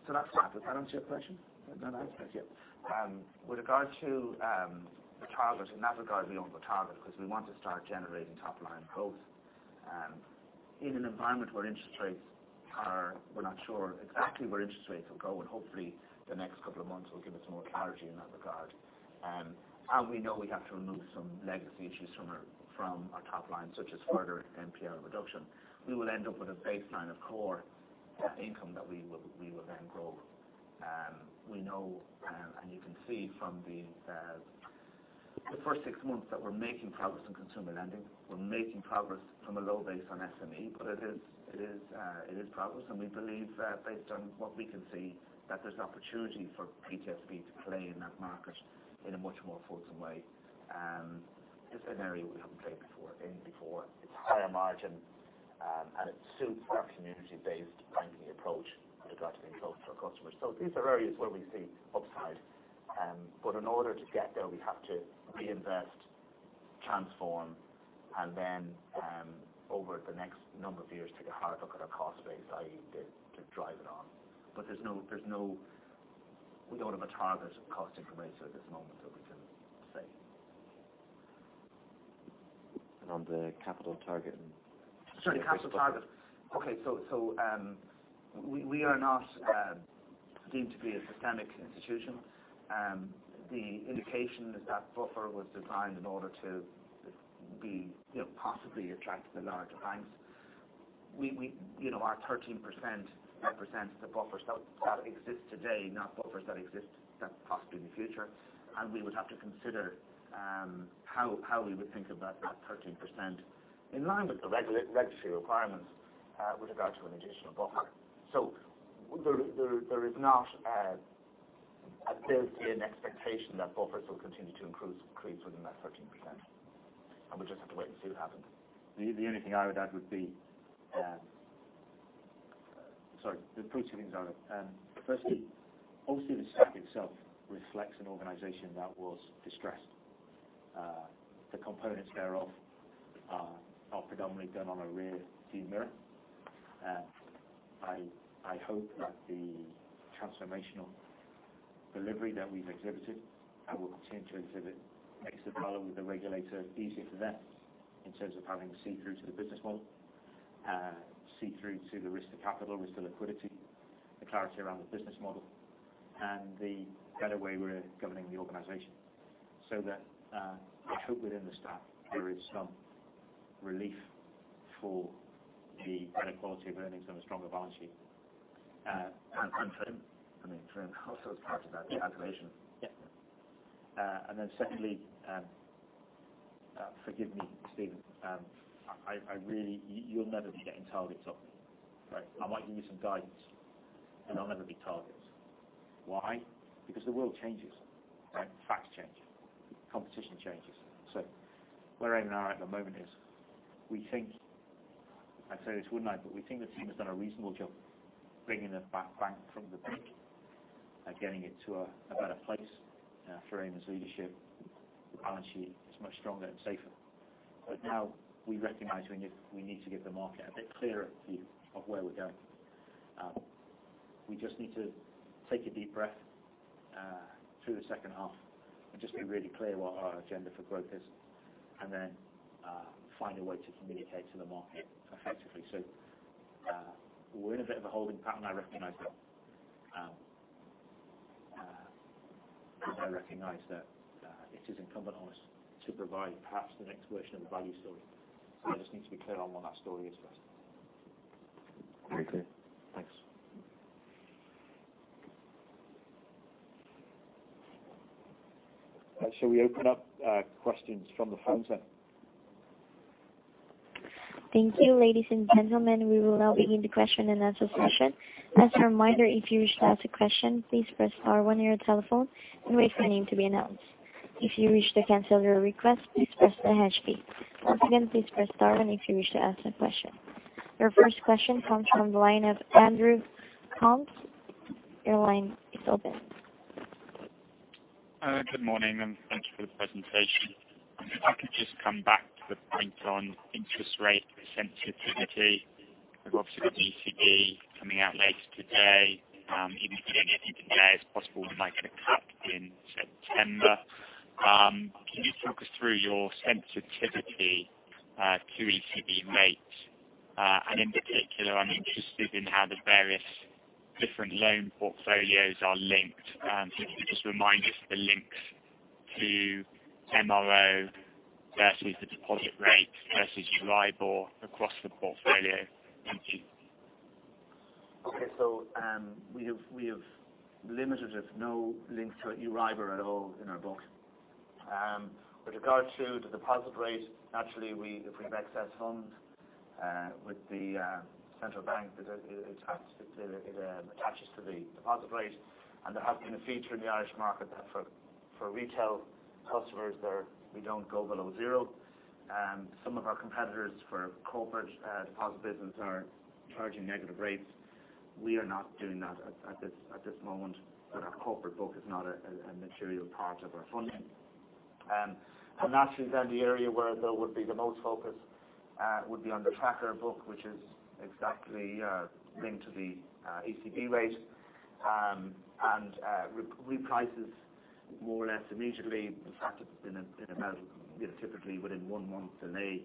That's that. Did that answer your question? Did that answer it, yeah. With regard to the target, in that regard, we don't have a target because we want to start generating top-line growth. In an environment where interest rates, we're not sure exactly where interest rates will go, and hopefully the next couple of months will give us some more clarity in that regard. As we know, we have to remove some legacy issues from our top line, such as further NPL reduction. We will end up with a baseline of core income that we will then grow. We know, and you can see from the first six months that we're making progress on consumer lending. We're making progress from a low base on SME, but it is progress. We believe that based on what we can see, that there's opportunity for PTSB to play in that market in a much more fulsome way. It's an area we haven't played in before. It's higher margin, and it suits our community-based banking approach with regard to being close to our customers. These are areas where we see upside. In order to get there, we have to reinvest, transform, and then, over the next number of years, take a hard look at our cost base, i.e., to drive it on. We don't have a target cost increase at this moment that we can say. On the capital target Sorry, capital target. Okay. We are not deemed to be a systemic institution. The indication is that buffer was designed in order to possibly attract the larger banks. Our 13% represents the buffer that exists today, not buffers that exist possibly in the future. We would have to consider how we would think of that 13% in line with the regulatory requirements, with regard to an additional buffer. There is not a clarity and expectation that buffers will continue to increase within that 13%, and we just have to wait and see what happens. The only thing I would add. Three things are. Firstly, obviously, the SACC itself reflects an organization that was distressed. The components thereof are predominantly done on a rear view mirror. I hope that the transformational delivery that we've exhibited and will continue to exhibit makes it harder with the regulator easier for them in terms of having to see through to the business model, see through to the risk of capital, risk of liquidity, the clarity around the business model, and the better way we're governing the organization. That I hope within the staff, there is some relief for the better quality of earnings and a stronger balance sheet. For them, I mean, for them, also as part of that calculation. Yeah. Secondly, forgive me, Stephen. You'll never be getting targets off me, right. I might give you some guidance, but I'll never be targets Why? Because the world changes, right? Facts change, competition changes. Where AIB are at the moment is, I'd say this wouldn't I, but we think the team has done a reasonable job bringing the bank from the brink and getting it to a better place. For AIB's leadership, the balance sheet is much stronger and safer. Now we recognize we need to give the market a bit clearer view of where we're going. We just need to take a deep breath through the second half and just be really clear what our agenda for growth is, and then find a way to communicate to the market effectively. We're in a bit of a holding pattern, I recognize that. I recognize that it is incumbent on us to provide perhaps the next version of the value story. We just need to be clear on what that story is for us. Very clear. Thanks. Shall we open up questions from the phone, then? Thank you, ladies and gentlemen. We will now begin the question-and-answer session. As a reminder, if you wish to ask a question, please press star one on your telephone and wait for your name to be announced. If you wish to cancel your request, please press the hash key. Once again, please press star one if you wish to ask a question. Your first question comes from the line of Andrew Coombs. Your line is open. Good morning. Thank you for the presentation. If I could just come back to the point on interest rate sensitivity. We've obviously got ECB coming out later today. Even if they don't do anything there, it's possible we might get a cut in September. Can you talk us through your sensitivity to ECB rates? In particular, I'm interested in how the various different loan portfolios are linked. Can you just remind us the links to MRO versus the deposit rate versus EURIBOR across the portfolio? Thank you. We have limited, if no links to EURIBOR at all in our book. With regard to the deposit rate, naturally, if we have excess funds, with the central bank, it attaches to the deposit rate. There has been a feature in the Irish market that for retail customers there, we don't go below zero. Some of our competitors for corporate deposit business are charging negative rates. We are not doing that at this moment, but our corporate book is not a material part of our funding. The area where there would be the most focus would be on the tracker book, which is exactly linked to the ECB rate, and reprices more or less immediately. In fact, in about typically within one month delay,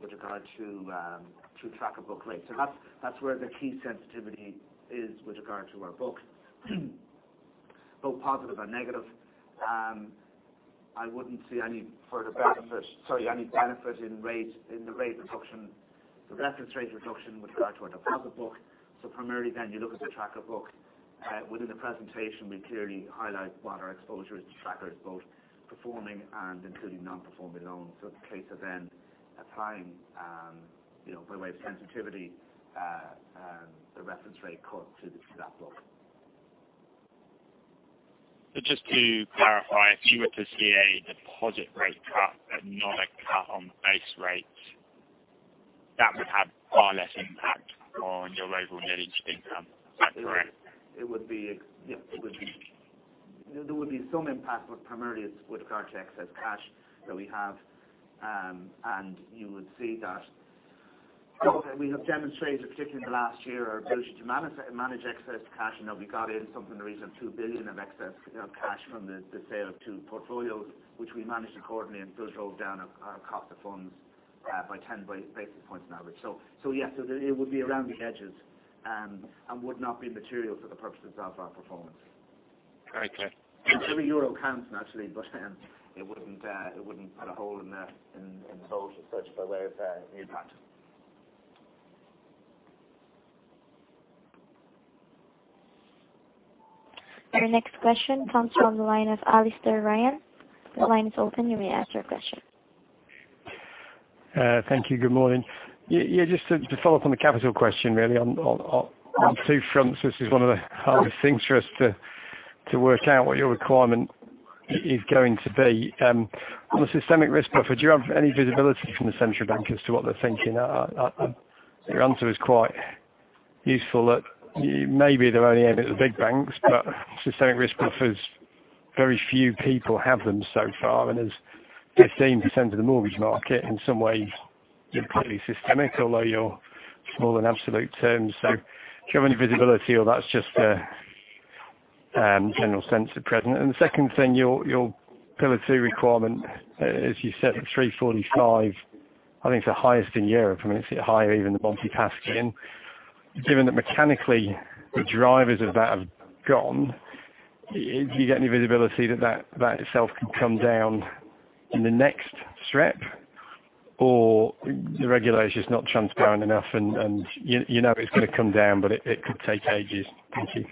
with regard to tracker book rates. That's where the key sensitivity is with regard to our book both positive and negative. I wouldn't see any further benefit-- Sorry, any benefit in the rate reduction, the reference rate reduction with regard to our deposit book. Primarily then you look at the tracker book. Within the presentation, we clearly highlight what our exposure is to trackers, both performing and including non-performing loans. It's a case of then applying, by way of sensitivity, the reference rate cut to that book. Just to clarify, if you were to see a deposit rate cut but not a cut on the base rate, that would have far less impact on your overall net interest income. Is that correct? There would be some impact, but primarily it's with regard to excess cash that we have. You would see that. We have demonstrated, particularly in the last year, our ability to manage excess cash. We got in something in the region of 2 billion of excess cash from the sale of two portfolios, which we managed accordingly, and those drove down our cost of funds by 10 basis points on average. Yes, it would be around the edges and would not be material for the purposes of our performance. Very clear. Every euro counts, naturally, but it wouldn't put a hole in the boat as such by way of impact. Your next question comes from the line of Alastair Ryan. Your line is open. You may ask your question. Thank you. Good morning. Yeah, just to follow up on the capital question really on two fronts. This is one of the hardest things for us to work out what your requirement is going to be. On the systemic risk buffer, do you have any visibility from the central bank as to what they're thinking? Your answer is quite useful that maybe they're only aimed at the big banks, but systemic risk buffers, very few people have them so far, and as 15% of the mortgage market, in some ways you're pretty systemic, although you're small in absolute terms. Do you have any visibility or that's just a general sense at present? The second thing, your Pillar 2 requirement, as you said, the 345, I think it's the highest in Europe. I mean, is it higher even than Monte Paschi in? Given that mechanically the drivers of that have gone, do you get any visibility that that itself can come down in the next SREP? The regulation's not transparent enough and you know it's going to come down, but it could take ages. Thank you.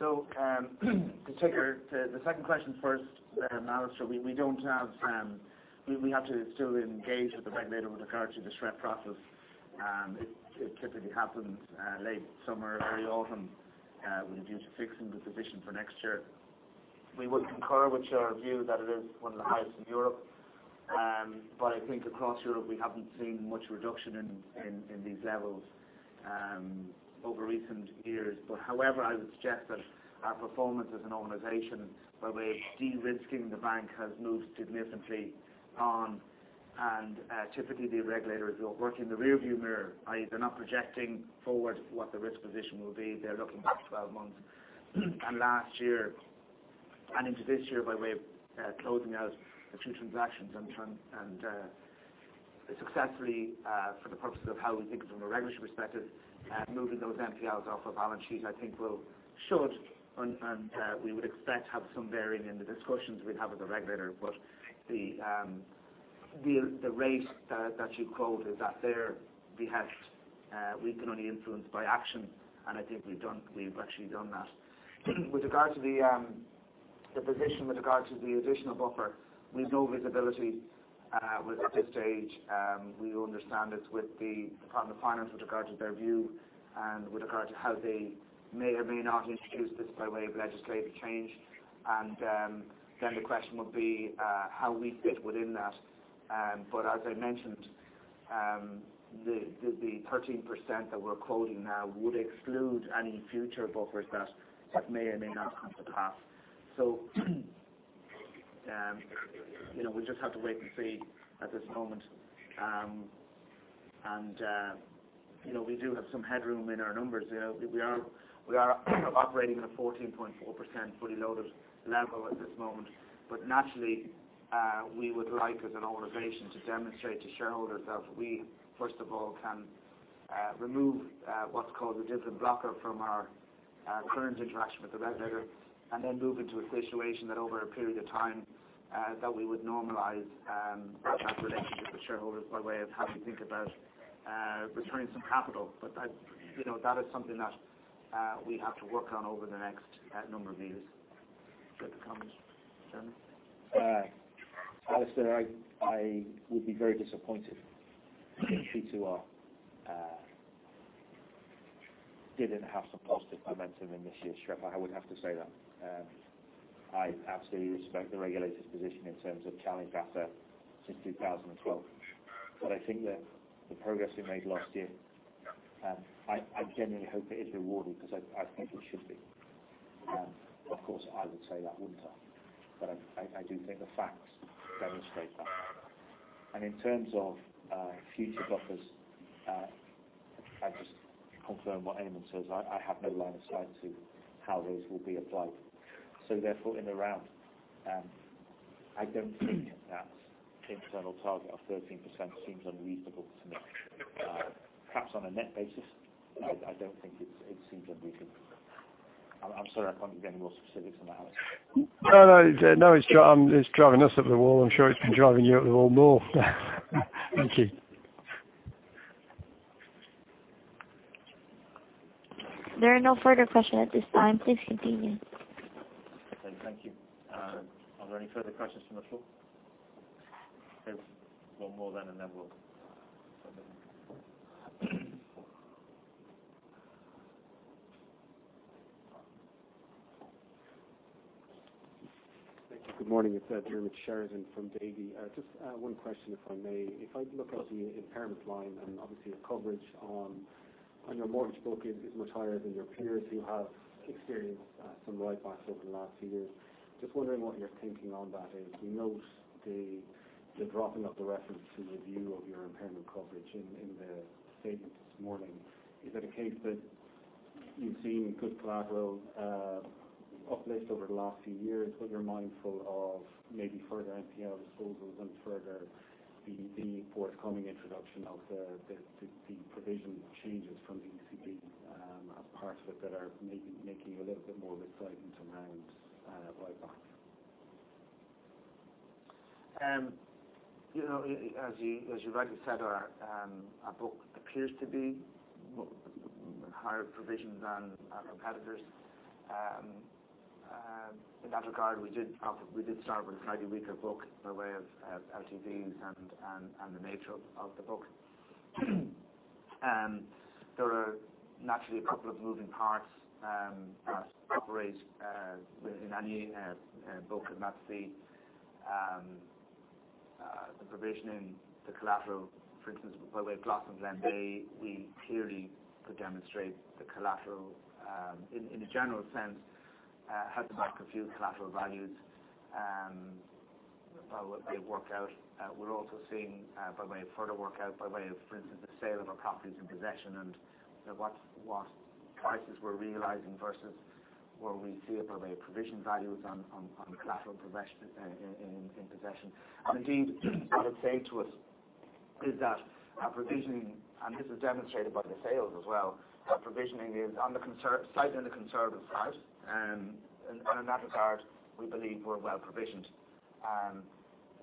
To take the second question first, Alastair, we have to still engage with the regulator with regards to the SREP process. It typically happens late summer, early autumn. We're due to fix in the position for next year. We would concur with your view that it is one of the highest in Europe. I think across Europe, we haven't seen much reduction in these levels over recent years. However, I would suggest that our performance as an organization, by way of de-risking the bank, has moved significantly on. Typically, the regulators are working the rearview mirror, i.e., they're not projecting forward what the risk position will be. They're looking back 12 months and last year, and into this year by way of closing out a few transactions and successfully, for the purposes of how we think from a regulatory perspective, moving those NPLs off of our sheet, I think should, and we would expect, have some bearing in the discussions we'd have with the regulator. The rate that you quote is out there. We can only influence by action, and I think we've actually done that. With regards to the position with regards to the additional buffer, we have no visibility at this stage. We understand it's with the Department of Finance with regards to their view and with regards to how they may or may not introduce this by way of legislative change. The question would be how we fit within that. As I mentioned, the 13% that we're quoting now would exclude any future buffers that may or may not come to pass. We'll just have to wait and see at this moment. We do have some headroom in our numbers. We are operating at a 14.4% fully loaded level at this moment. Naturally, we would like, as an organization, to demonstrate to shareholders that we, first of all, can remove what's called the dividend blocker from our current interaction with the regulator, and then move into a situation that over a period of time, that we would normalize that relationship with shareholders by way of how we think about returning some capital. That is something that we have to work on over the next number of years. Do you have any comments, Jeremy? Alastair, I would be very disappointed if we too didn't have some positive momentum in this year's SREP. I would have to say that. I absolutely respect the regulator's position in terms of challenge data since 2012. I think that the progress we made last year, I genuinely hope it is rewarded because I think it should be. Of course, I would say that, wouldn't I? I do think the facts demonstrate that. In terms of future buffers, I'd just confirm what Eamonn says. I have no line of sight to how those will be applied. Therefore, in the round, I don't think that the internal target of 13% seems unreasonable to me. Perhaps on a net basis, I don't think it seems unreasonable. I'm sorry I can't get any more specific than that, Alastair. No, it's driving us up the wall. I'm sure it's been driving you up the wall more. Thank you. There are no further questions at this time. Please continue. Okay. Thank you. Are there any further questions from the floor? If one more then and then we'll take a break. Thank you. Good morning. It's Diarmaid Sheridan from Davy. Just one question, if I may. If I look at the impairment line, and obviously your coverage on your mortgage book is much higher than your peers who have experienced some write-backs over the last few years. Just wondering what your thinking on that is. We note the dropping of the reference to the view of your impairment coverage in the statement this morning. Is it a case that you've seen good collateral uplift over the last few years, but you're mindful of maybe further NPL disposals and further the forthcoming introduction of the provision changes from the ECB, are parts of it that are making you a little bit more reticent around write-backs? As you rightly said, our book appears to be higher provision than our competitors. In that regard, we did start with a slightly weaker book by way of LTVs and the nature of the book. There are naturally a couple of moving parts that operate within any book. That's the provision in the collateral, for instance, by way of Glas and Glenbeigh, we clearly could demonstrate the collateral, in a general sense, how the mark of few collateral values by way of work out. We're also seeing by way of further work out, by way of, for instance, the sale of our properties in possession and what prices we're realizing versus where we see it by way of provision values on collateral in possession. Indeed, I would say to us is that our provisioning, and this is demonstrated by the sales as well, that provisioning is on the conservative side. In that regard, we believe we're well-provisioned.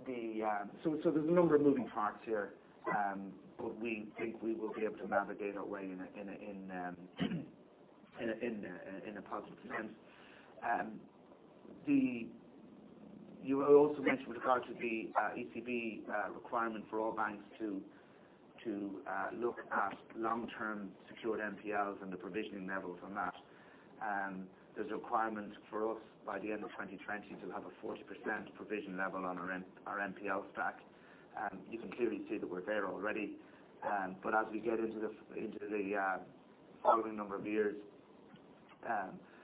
There's a number of moving parts here, but we think we will be able to navigate our way in a positive sense. You also mentioned with regard to the ECB requirement for all banks to look at long-term secured NPLs and the provisioning levels on that. There's a requirement for us by the end of 2020 to have a 40% provision level on our NPL stack. You can clearly see that we're there already. As we get into the following number of years,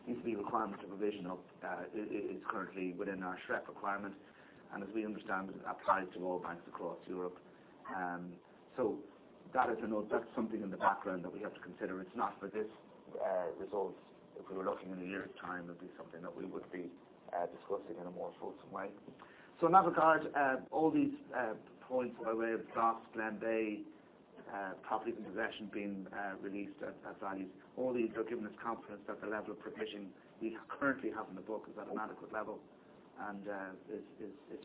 ECB requirement to provision up is currently within our SREP requirement, and as we understand, applies to all banks across Europe. That is a note. That's something in the background that we have to consider. It's not for this result. If we were looking in a year's time, it'd be something that we would be discussing in a more fulsome way. In that regard, all these points by way of Glas, Glenbeigh, property and possession being released at values, all these are giving us confidence that the level of provision we currently have in the book is at an adequate level and is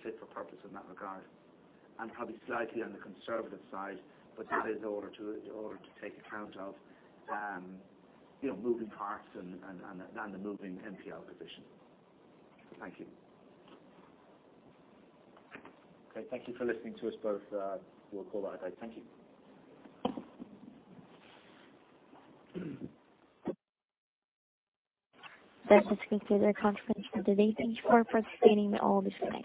fit for purpose in that regard, and probably slightly on the conservative side, but that is in order to take account of moving parts and the moving NPL position. Thank you. Okay. Thank you for listening to us both. We'll call that a day. Thank you. That concludes our conference call today. Thank you for participating all this way.